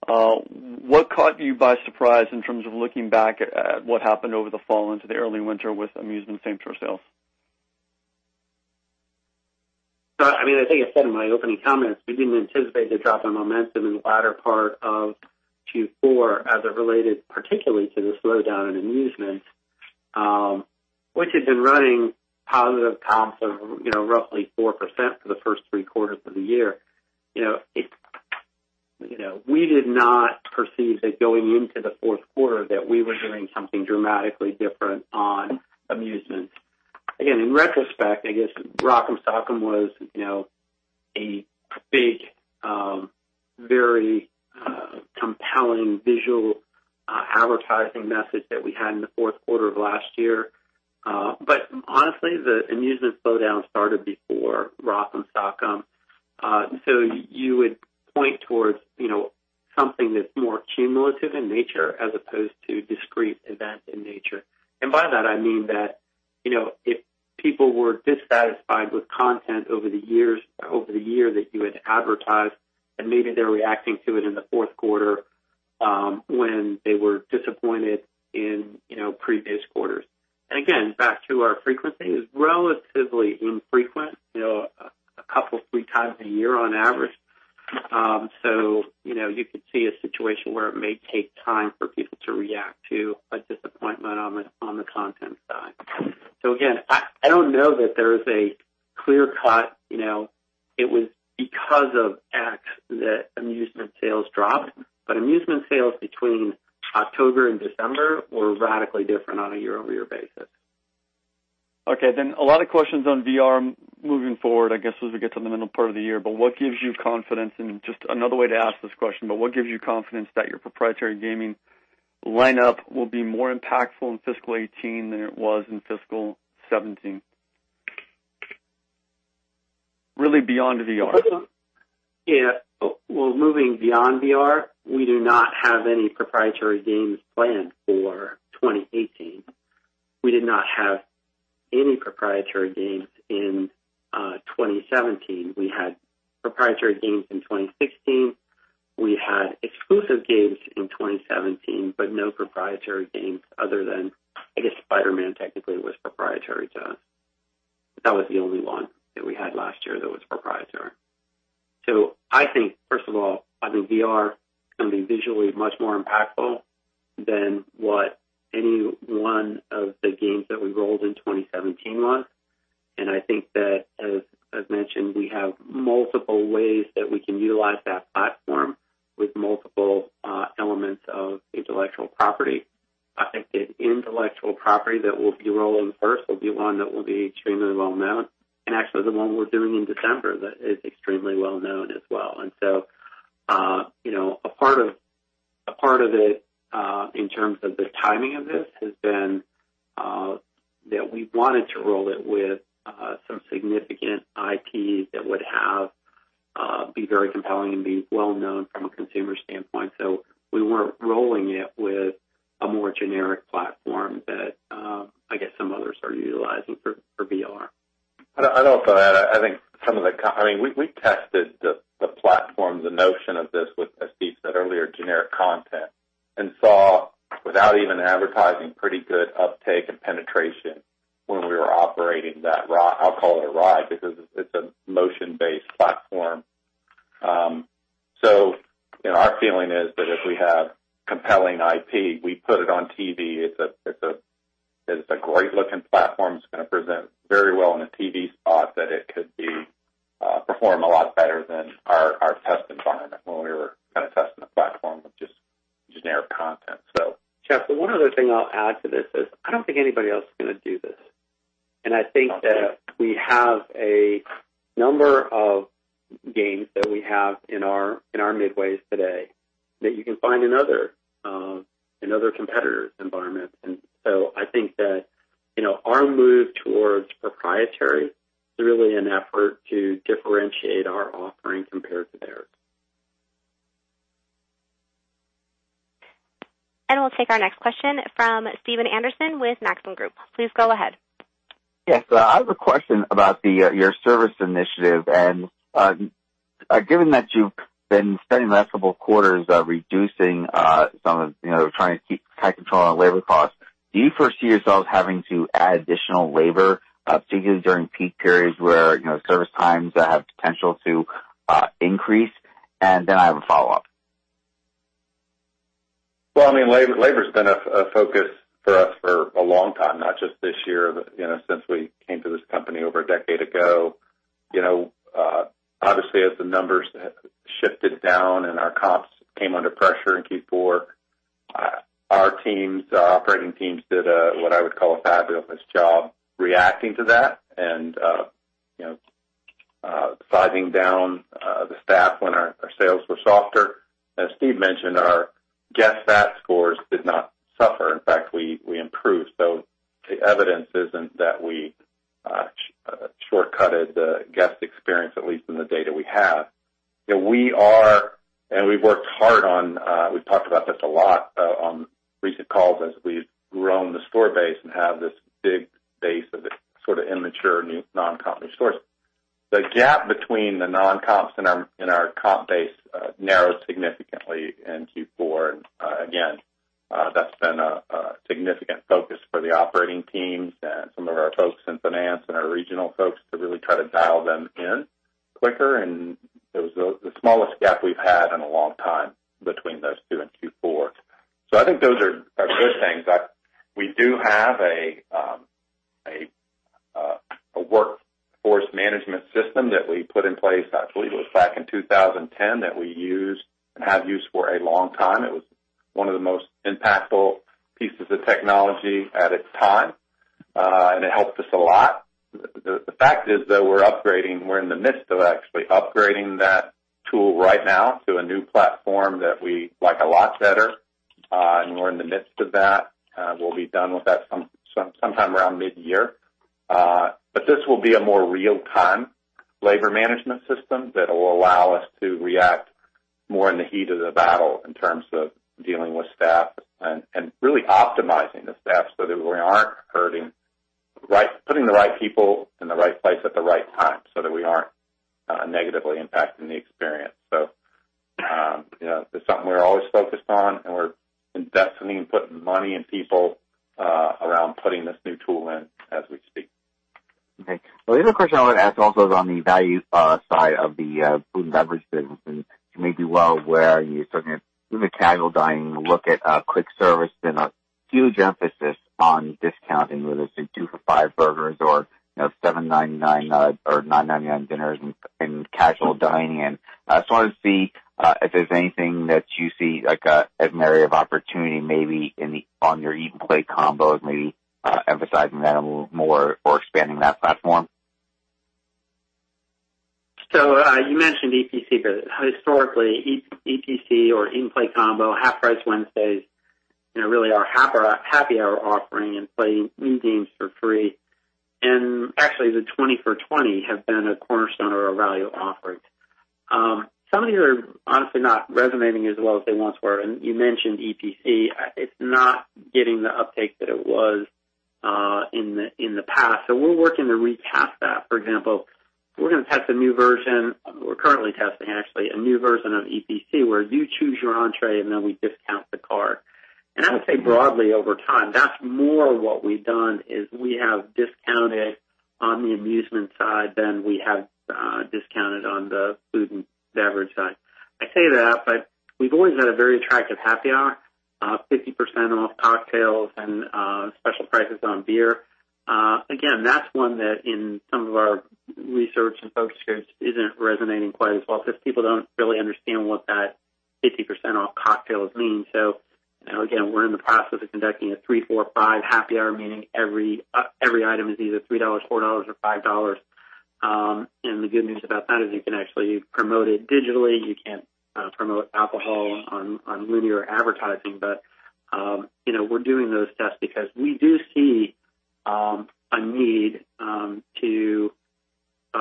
H: What caught you by surprise in terms of looking back at what happened over the fall into the early winter with amusement same-store sales?
C: I think I said in my opening comments, we didn't anticipate the drop in momentum in the latter part of Q4 as it related particularly to the slowdown in amusement, which had been running positive comps of roughly 4% for the first three quarters of the year. We did not perceive that going into the fourth quarter, that we were doing something dramatically different on amusement. Again, in retrospect, I guess Rock Em Robots was a big, very compelling visual advertising message that we had in the fourth quarter of last year. Honestly, the amusement slowdown started before Rock Em Robots. You would point towards something that's more cumulative in nature as opposed to discrete event in nature. By that I mean that, if people were dissatisfied with content over the year that you had advertised, then maybe they're reacting to it in the fourth quarter, when they were disappointed in previous quarters. Again, back to our frequency, it's relatively infrequent, a couple, three times a year on average. You could see a situation where it may take time for people to react to a disappointment on the content side. Again, I don't know that there is a clear cut, it was because of X that amusement sales dropped, but amusement sales between October and December were radically different on a year-over-year basis.
H: Okay. A lot of questions on VR moving forward, I guess, as we get to the middle part of the year. What gives you confidence, and just another way to ask this question, but what gives you confidence that your proprietary gaming lineup will be more impactful in fiscal 2018 than it was in fiscal 2017? Really beyond VR.
C: Yeah. Well, moving beyond VR, we do not have any proprietary games planned for 2018. We did not have any proprietary games in 2017. We had proprietary games in 2016. We had exclusive games in 2017, but no proprietary games other than, I guess Spider-Man technically was proprietary to us. That was the only one that we had last year that was proprietary. I think, first of all, I think VR can be visually much more impactful than what any one of the games that we rolled in 2017 was. I think that, as mentioned, we have multiple ways that we can utilize that platform with multiple elements of intellectual property. I think the intellectual property that we'll be rolling first will be one that will be extremely well-known. Actually, the one we're doing in December that is extremely well-known as well. A part of it in terms of the timing of this has been that we wanted to roll it with some significant IT that would be very compelling and be well-known from a consumer standpoint. We weren't rolling it with a more generic platform that I guess some others are utilizing for VR.
D: Also, I think we tested the platform, the notion of this with, as Steve said earlier, generic content and saw, without even advertising, pretty good uptake and penetration when we were operating that ride. I'll call it a ride because it's a motion-based platform. Our feeling is that if we have compelling IP, we put it on TV. It's a great-looking platform. It's going to present very well in a TV spot that it could perform a lot better than our test environment when we were kind of testing the platform with just generic content.
C: Jeff, the one other thing I'll add to this is I don't think anybody else is going to do this. I think that we have a number of games that we have in our midways today that you can find in other competitors' environments. I think that our move towards proprietary is really an effort to differentiate our offering compared to theirs.
A: We'll take our next question from Steven Anderson with Maxim Group. Please go ahead.
I: Yes. I have a question about your service initiative, given that you've been spending the last couple of quarters trying to keep tight control on labor costs, do you foresee yourselves having to add additional labor, particularly during peak periods where service times have potential to increase? Then I have a follow-up.
D: Well, labor's been a focus for us for a long time, not just this year, but since we came to this company over a decade ago. Obviously, as the numbers shifted down and our comps came under pressure in Q4, our operating teams did what I would call a fabulous job reacting to that and sizing down the staff when our sales were softer. As Steve mentioned, our guest sat scores did not suffer. In fact, we improved. The evidence isn't that we shortcutted the guest experience, at least in the data we have. We've talked about this a lot on recent calls as we've grown the store base and have this big base of this sort of immature new non-comp stores. The gap between the non-comps and our comp base really optimizing the staff so that we aren't hurting. Putting the right people in the right place at the right time so that we aren't negatively impacting the experience. It's something we're always focused on, and we're investing and putting money and people around putting this new tool in as we speak.
I: Okay. The other question I want to ask also is on the value side of the food and beverage business. You may be well aware, you certainly have, through the casual dining look at quick service, been a huge emphasis on discounting, whether it's a two for five burgers or $7.99 or $9.99 dinners in casual dining. I just wanted to see if there's anything that you see like an area of opportunity, maybe on your Eat & Play Combos, maybe emphasizing that a little more or expanding that platform.
C: You mentioned EPC, but historically, EPC or Eat & Play Combo, Half Price Wednesdays, really our happy hour offering and playing new games for free. Actually, the 20 for 20 have been a cornerstone or a value offering. Some of these are honestly not resonating as well as they once were. You mentioned EPC. It's not getting the uptake that it was in the past. We're working to recast that. For example, we're going to test a new version. We're currently testing, actually, a new version of EPC, where you choose your entrée, and then we discount the card. I would say broadly over time, that's more what we've done, is we have discounted on the amusement side than we have discounted on the food and beverage side. I say that, we've always had a very attractive happy hour, 50% off cocktails and special prices on beer. Again, that's one that in some of our research and focus groups, isn't resonating quite as well, because people don't really understand what that 50% off cocktails means. Again, we're in the process of conducting a three, four, five happy hour meaning every item is either $3, $4 or $5. The good news about that is you can actually promote it digitally. You can't promote alcohol on linear advertising. We're doing those tests because we do see a need to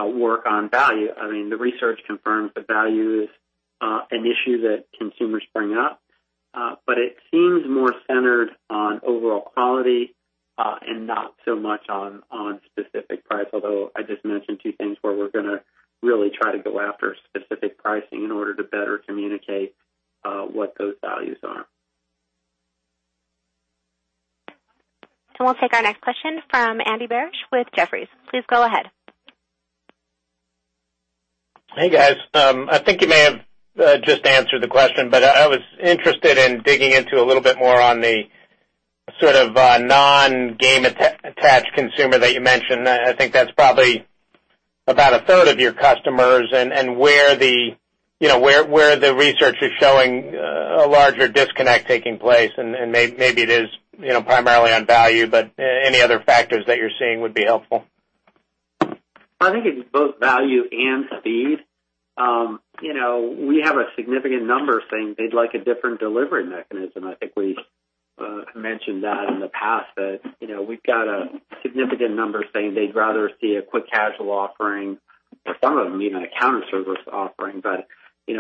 C: work on value. The research confirms that value is an issue that consumers bring up. It seems more centered on overall quality and not so much on specific price, although I just mentioned two things where we're going to really try to go after specific pricing in order to better communicate what those values are.
A: We'll take our next question from Andy Barish with Jefferies. Please go ahead.
J: Hey, guys. I think you may have just answered the question, but I was interested in digging into a little bit more on the sort of non-game attached consumer that you mentioned. I think that's probably about a third of your customers, and where the research is showing a larger disconnect taking place, and maybe it is primarily on value, but any other factors that you're seeing would be helpful.
C: I think it's both value and speed. We have a significant number saying they'd like a different delivery mechanism. I think we mentioned that in the past, that we've got a significant number saying they'd rather see a quick casual offering or some of them even a counter service offering.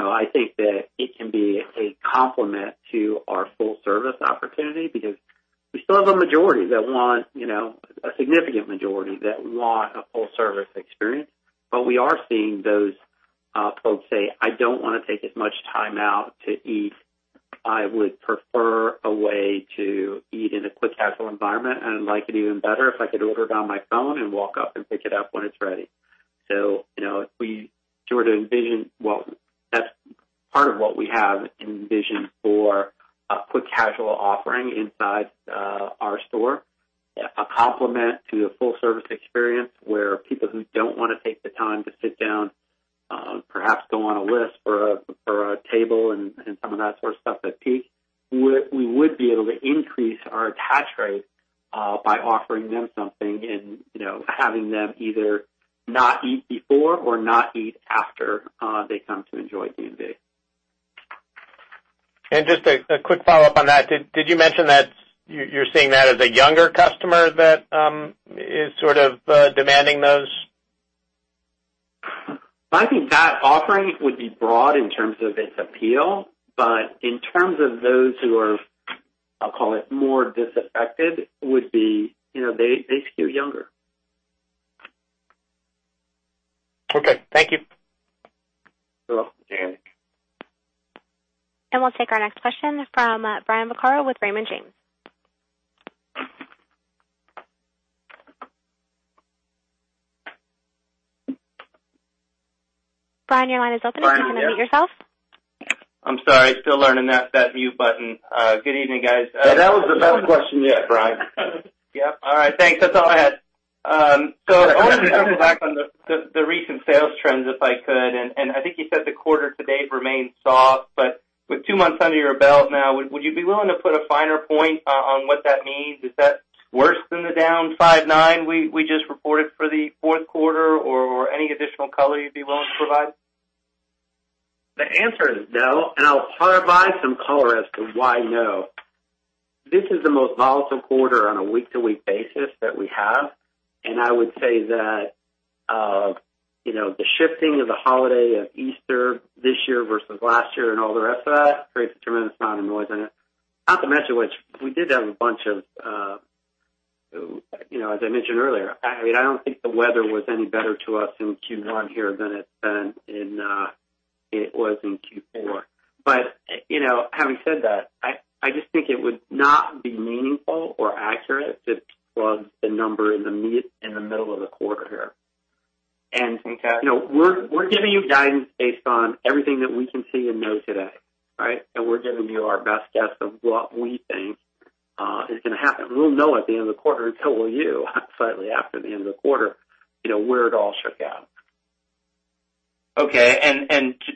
C: I think that it can be a complement to our full service opportunity because we still have a majority that want, a significant majority, that want a full service experience. We are seeing those folks say, "I don't want to take as much time out to eat. I would prefer a way to eat in a quick casual environment, and I'd like it even better if I could order it on my phone and walk up and pick it up when it's ready." Well, that's part of what we have envisioned for a quick casual offering inside our store, a complement to the full service experience where people who don't want to take the time to sit down, perhaps go on a list for a table and some of that sort of stuff at peak. We would be able to increase our attach rate by offering them something and having them either not eat before or not eat after they come to enjoy D&B.
J: Just a quick follow-up on that. Did you mention that you're seeing that as a younger customer that is sort of demanding those?
C: I think that offering would be broad in terms of its appeal, but in terms of those who are, I'll call it more disaffected, would be, they skew younger.
J: Okay. Thank you.
C: You're welcome, Andy.
A: We'll take our next question from Brian Vaccaro with Raymond James. Brian, your line is open.
K: Brian, yes.
A: You can unmute yourself.
K: I'm sorry, still learning that mute button. Good evening, guys.
C: That was the best question yet, Brian.
K: Yep. All right, thanks. That's all I had. I wanted to circle back on the recent sales trends, if I could, and I think you said the quarter to date remained soft, but with two months under your belt now, would you be willing to put a finer point on what that means? Is that worse than the down 5.9 we just reported for the fourth quarter or any additional color you'd be willing to provide?
C: The answer is no, and I'll provide some color as to why no. This is the most volatile quarter on a week-to-week basis that we have, and I would say that the shifting of the holiday of Easter this year versus last year and all the rest of that creates a tremendous amount of noise on it. Not to mention which we did have a bunch of, as I mentioned earlier, I don't think the weather was any better to us in Q1 here than it was in Q4. Having said that, I just think it would not be meaningful or accurate to plug the number in the middle of the quarter here.
K: Okay.
C: We're giving you guidance based on everything that we can see and know today, right? We're giving you our best guess of what we think is going to happen. We'll know at the end of the quarter and so will you, slightly after the end of the quarter, where it all shook out.
K: Okay.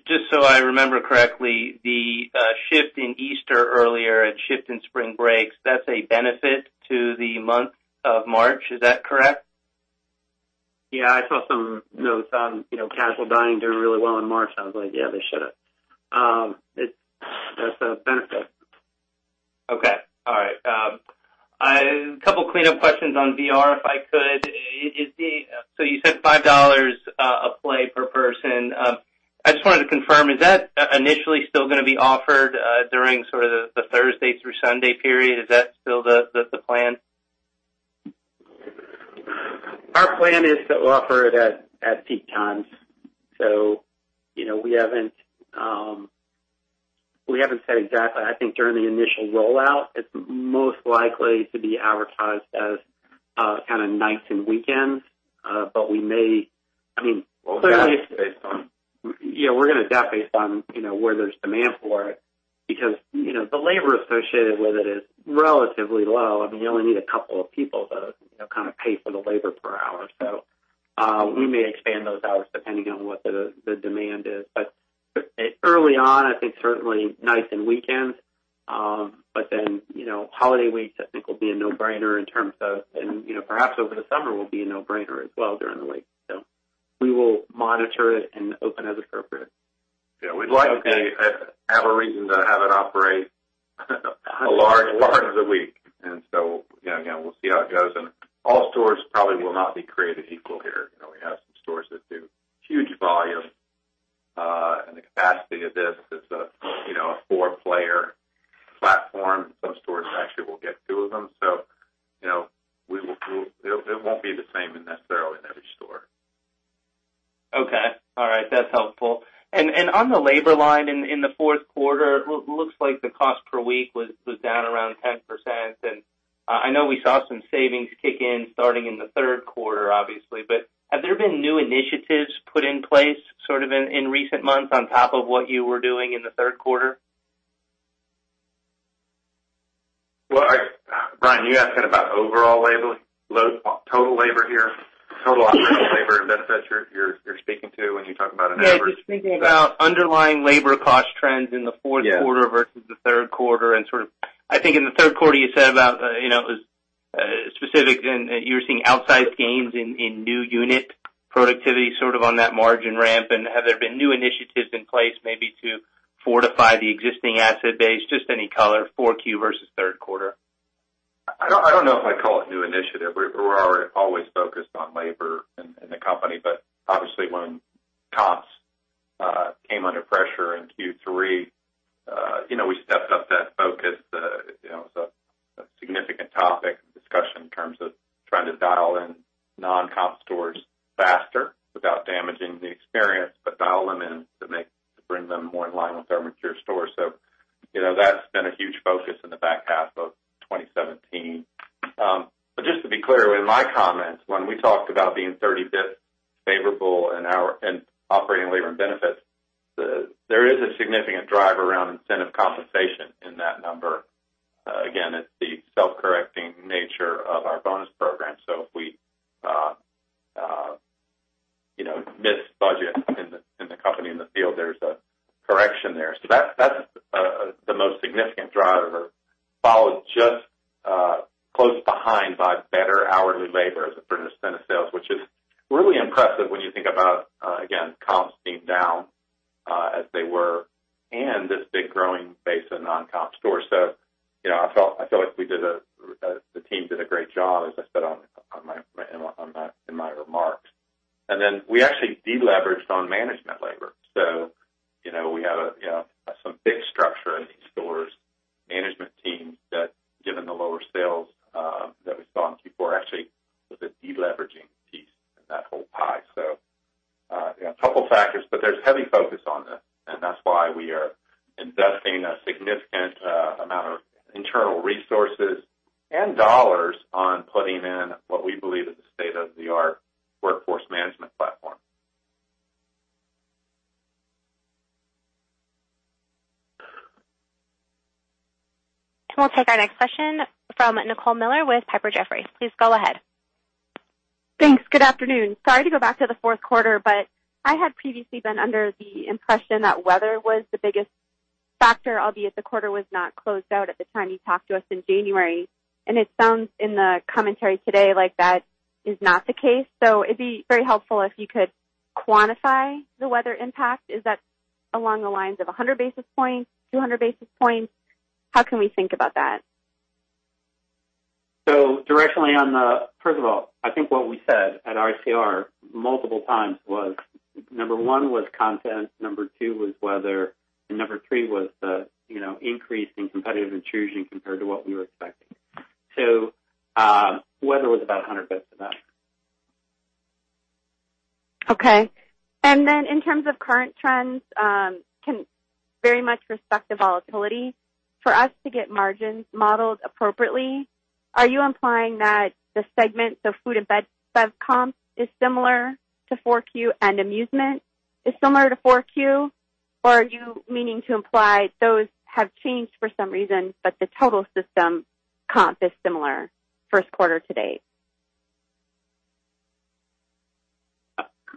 K: Just so I remember correctly, the shift in Easter earlier and shift in spring breaks, that's a benefit to the month of March. Is that correct?
C: Yeah. I saw some notes on casual dining doing really well in March, and I was like, "Yeah, they should have." That's a benefit.
K: Okay. All right. A couple clean up questions on VR, if I could. You said $5 a play per person I just wanted to confirm, is that initially still going to be offered during the Thursday through Sunday period? Is that still the plan?
C: Our plan is to offer it at peak times. We haven't said exactly. I think during the initial rollout, it's most likely to be advertised as kind of nights and weekends.
D: We'll adapt based on
C: Yeah, we're going to adapt based on where there's demand for it, because the labor associated with it is relatively low. You only need a couple of people to kind of pay for the labor per hour. We may expand those hours depending on what the demand is. Early on, I think certainly nights and weekends. Holiday weeks, I think will be a no-brainer in terms of, and perhaps over the summer will be a no-brainer as well during the week. We will monitor it and open as appropriate.
D: Yeah. We'd like to have a reason to have it operate a large part of the week, again, we'll see how it goes. All stores probably will not be created equal here. We have some stores that do huge volume, and the capacity of this is a four-player platform. Some stores actually will get two of them. It won't be the same necessarily in every store.
K: Okay. All right. That's helpful. On the labor line in the fourth quarter, looks like the cost per week was down around 10%. I know we saw some savings kick in starting in the third quarter, obviously. Have there been new initiatives put in place sort of in recent months on top of what you were doing in the third quarter?
D: Well, Brian, are you asking about overall labor load, total labor here, total operational labor and benefits you're speaking to when you talk about a number?
K: Yeah, just thinking about underlying labor cost trends in the fourth quarter.
D: Yeah
K: versus the third quarter. I think in the third quarter you said you were seeing outsized gains in new unit productivity on that margin ramp. Have there been new initiatives in place maybe to fortify the existing asset base? Just any color, 4Q versus third quarter.
D: I don't know if I'd call it new initiative. We're always focused on labor in the company, but obviously when comps came under pressure in Q3, we stepped up that focus. It's a significant topic of discussion in terms of trying to dial in non-comp stores faster without damaging the experience, but dial them in to bring them more in line with our mature stores. That's been a huge focus in the back half of 2017. Just to be clear, in my comments, when we talked about being 30 basis points favorable in operating labor and benefits, there is a significant drive around incentive compensation in that number. Again, it's the self-correcting nature of our bonus program. If we miss budget in the company, in the field, there's a correction there. That's the most significant driver, followed just close behind by better hourly labor as a % of sales, which is really impressive when you think about, again, comps being down, as they were, and this big growing base of non-comp stores. I feel like the team did a great job, as I said in my remarks. We actually de-leveraged on management labor. We have some big structure in these stores, management teams that, given the lower sales that we saw in Q4, actually was a de-leveraging piece in that whole pie. A couple factors, but there's heavy focus on this, and that's why we are investing a significant amount of internal resources and dollars on putting in what we believe is a state-of-the-art workforce management platform.
A: We'll take our next question from Nicole Miller with Piper Jaffray. Please go ahead.
L: Thanks. Good afternoon. Sorry to go back to the fourth quarter, I had previously been under the impression that weather was the biggest factor, albeit the quarter was not closed out at the time you talked to us in January. It sounds in the commentary today like that is not the case. It'd be very helpful if you could quantify the weather impact. Is that along the lines of 100 basis points, 200 basis points? How can we think about that?
C: Directly on the First of all, I think what we said at ICR multiple times was, number one was content, number two was weather, and number three was the increase in competitive intrusion compared to what we were expecting. Weather was about 100 basis points of that.
L: Okay. In terms of current trends, can very much respect the volatility. For us to get margins modeled appropriately, are you implying that the segment of food and bev comp is similar to 4Q and amusement is similar to 4Q? Are you meaning to imply those have changed for some reason, but the total system comp is similar first quarter to date?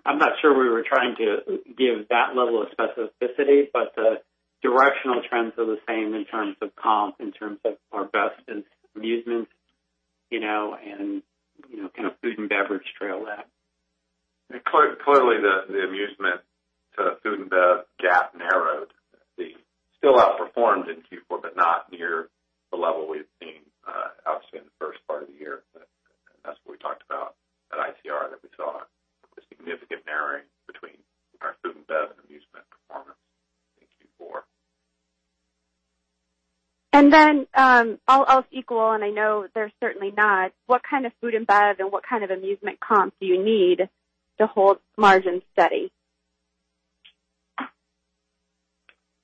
C: I'm not sure we were trying to give that level of specificity, the directional trends are the same in terms of comp, in terms of our best in amusement, and kind of food and beverage trail that.
D: Clearly, the amusement to food and bev gap narrowed. Still outperforms in Q4, not near the level we've seen. Talked about at ICR that we saw a significant narrowing between our food and bev and amusement performance in Q4.
L: What kind of food and bev and what kind of amusement comp do you need to hold margin steady?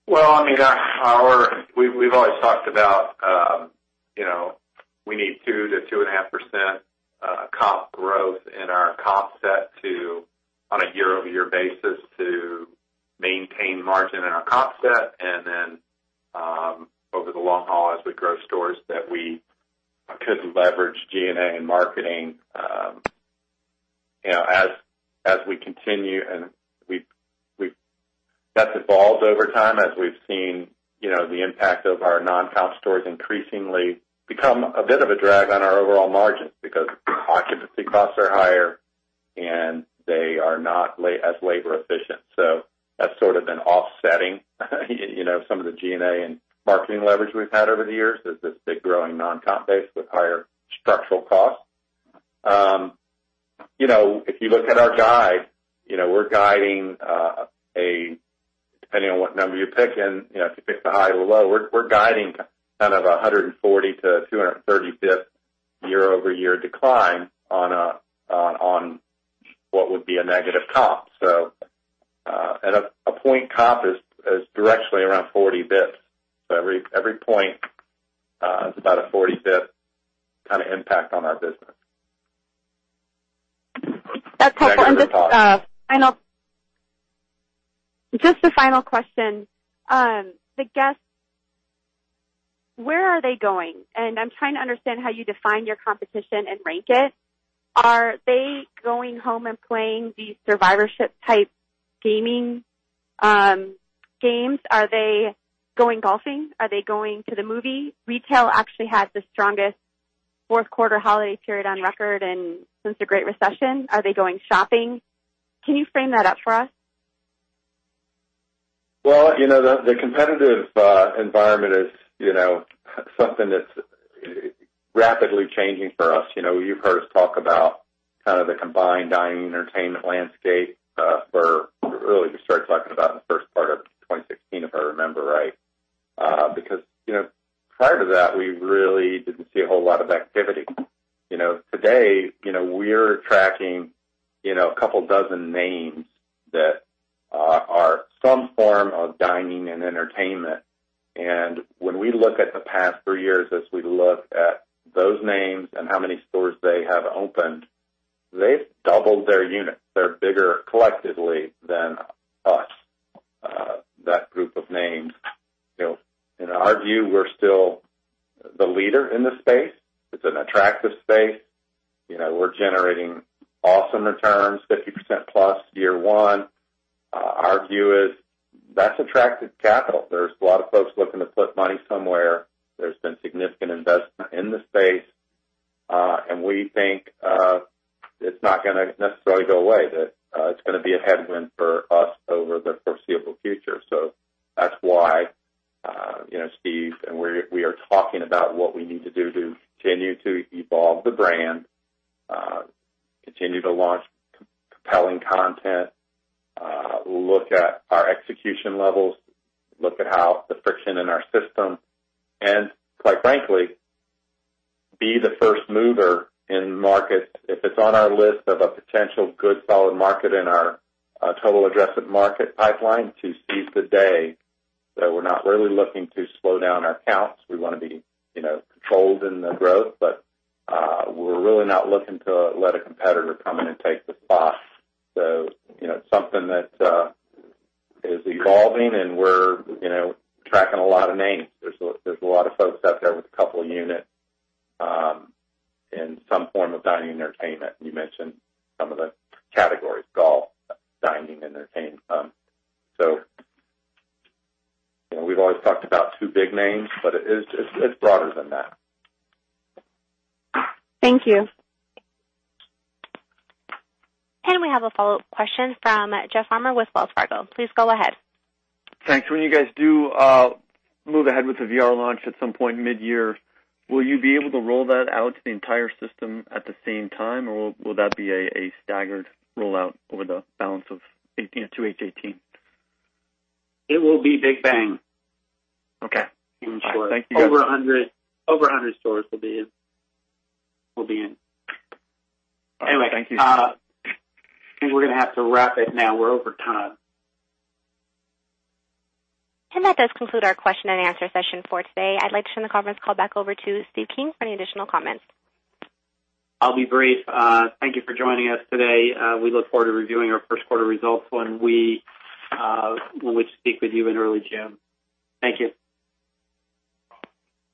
D: Well, we've always talked about we need 2%-2.5% comp growth in our comp set on a year-over-year basis to maintain margin in our comp set, then over the long haul as we grow stores that we could leverage G&A and marketing as we continue. That's evolved over time as we've seen the impact of our non-comp stores increasingly become a bit of a drag on our overall margins because occupancy costs are higher and they are not as labor efficient. That's sort of been offsetting some of the G&A and marketing leverage we've had over the years is this big growing non-comp base with higher structural costs. If you look at our guide, we're guiding, depending on what number you're picking, if you pick the high or the low, we're guiding kind of 140 to 230 basis points year-over-year decline on what would be a negative comp. And a point comp is directly around 40 basis points. Every point is about a 40 basis point impact on our business.
L: That's helpful. Just a final question. The guests, where are they going? I'm trying to understand how you define your competition and rank it. Are they going home and playing these survivorship-type gaming games? Are they going golfing? Are they going to the movie? Retail actually had the strongest fourth quarter holiday period on record since the Great Recession. Are they going shopping? Can you frame that up for us?
D: Well, the competitive environment is something that's rapidly changing for us. You've heard us talk about kind of the combined dining entertainment landscape. We started talking about in the first part of 2016, if I remember right. Prior to that, we really didn't see a whole lot of activity. Today, we're tracking a couple dozen names that are some form of dining and entertainment. When we look at the past three years as we look at those names and how many stores they have opened, they've doubled their units. They're bigger collectively than us, that group of names. In our view, we're still the leader in the space. It's an attractive space. We're generating awesome returns, 50%-plus year one. Our view is that's attractive capital. There's a lot of folks looking to put money somewhere. There's been significant investment in the space. We think it's not going to necessarily go away, that it's going to be a headwind for us over the foreseeable future. That's why Steve and we are talking about what we need to do to continue to evolve the brand, continue to launch compelling content, look at our execution levels, look at how the friction in our system, and quite frankly, be the first mover in markets if it's on our list of a potential good solid market in our total addressable market pipeline to seize the day. We're not really looking to slow down our comps. We want to be controlled in the growth, we're really not looking to let a competitor come in and take the spot. It's something that is evolving and we're tracking a lot of names. There's a lot of folks out there with a couple units in some form of dining entertainment. You mentioned some of the categories, golf, dining, entertainment. We've always talked about two big names, it's broader than that.
L: Thank you.
A: We have a follow-up question from Jeff Farmer with Wells Fargo. Please go ahead.
H: Thanks. When you guys do move ahead with the VR launch at some point mid-year, will you be able to roll that out to the entire system at the same time, or will that be a staggered rollout over the balance of 2H18?
D: It will be big bang.
H: Okay. All right. Thank you, guys.
D: Over 100 stores will be in.
H: All right. Thank you.
D: I think we're going to have to wrap it now. We're over time.
A: That does conclude our question and answer session for today. I'd like to turn the conference call back over to Steve King for any additional comments.
C: I'll be brief. Thank you for joining us today. We look forward to reviewing our first quarter results when we speak with you in early June. Thank you.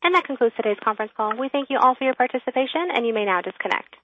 A: That concludes today's conference call. We thank you all for your participation, and you may now disconnect.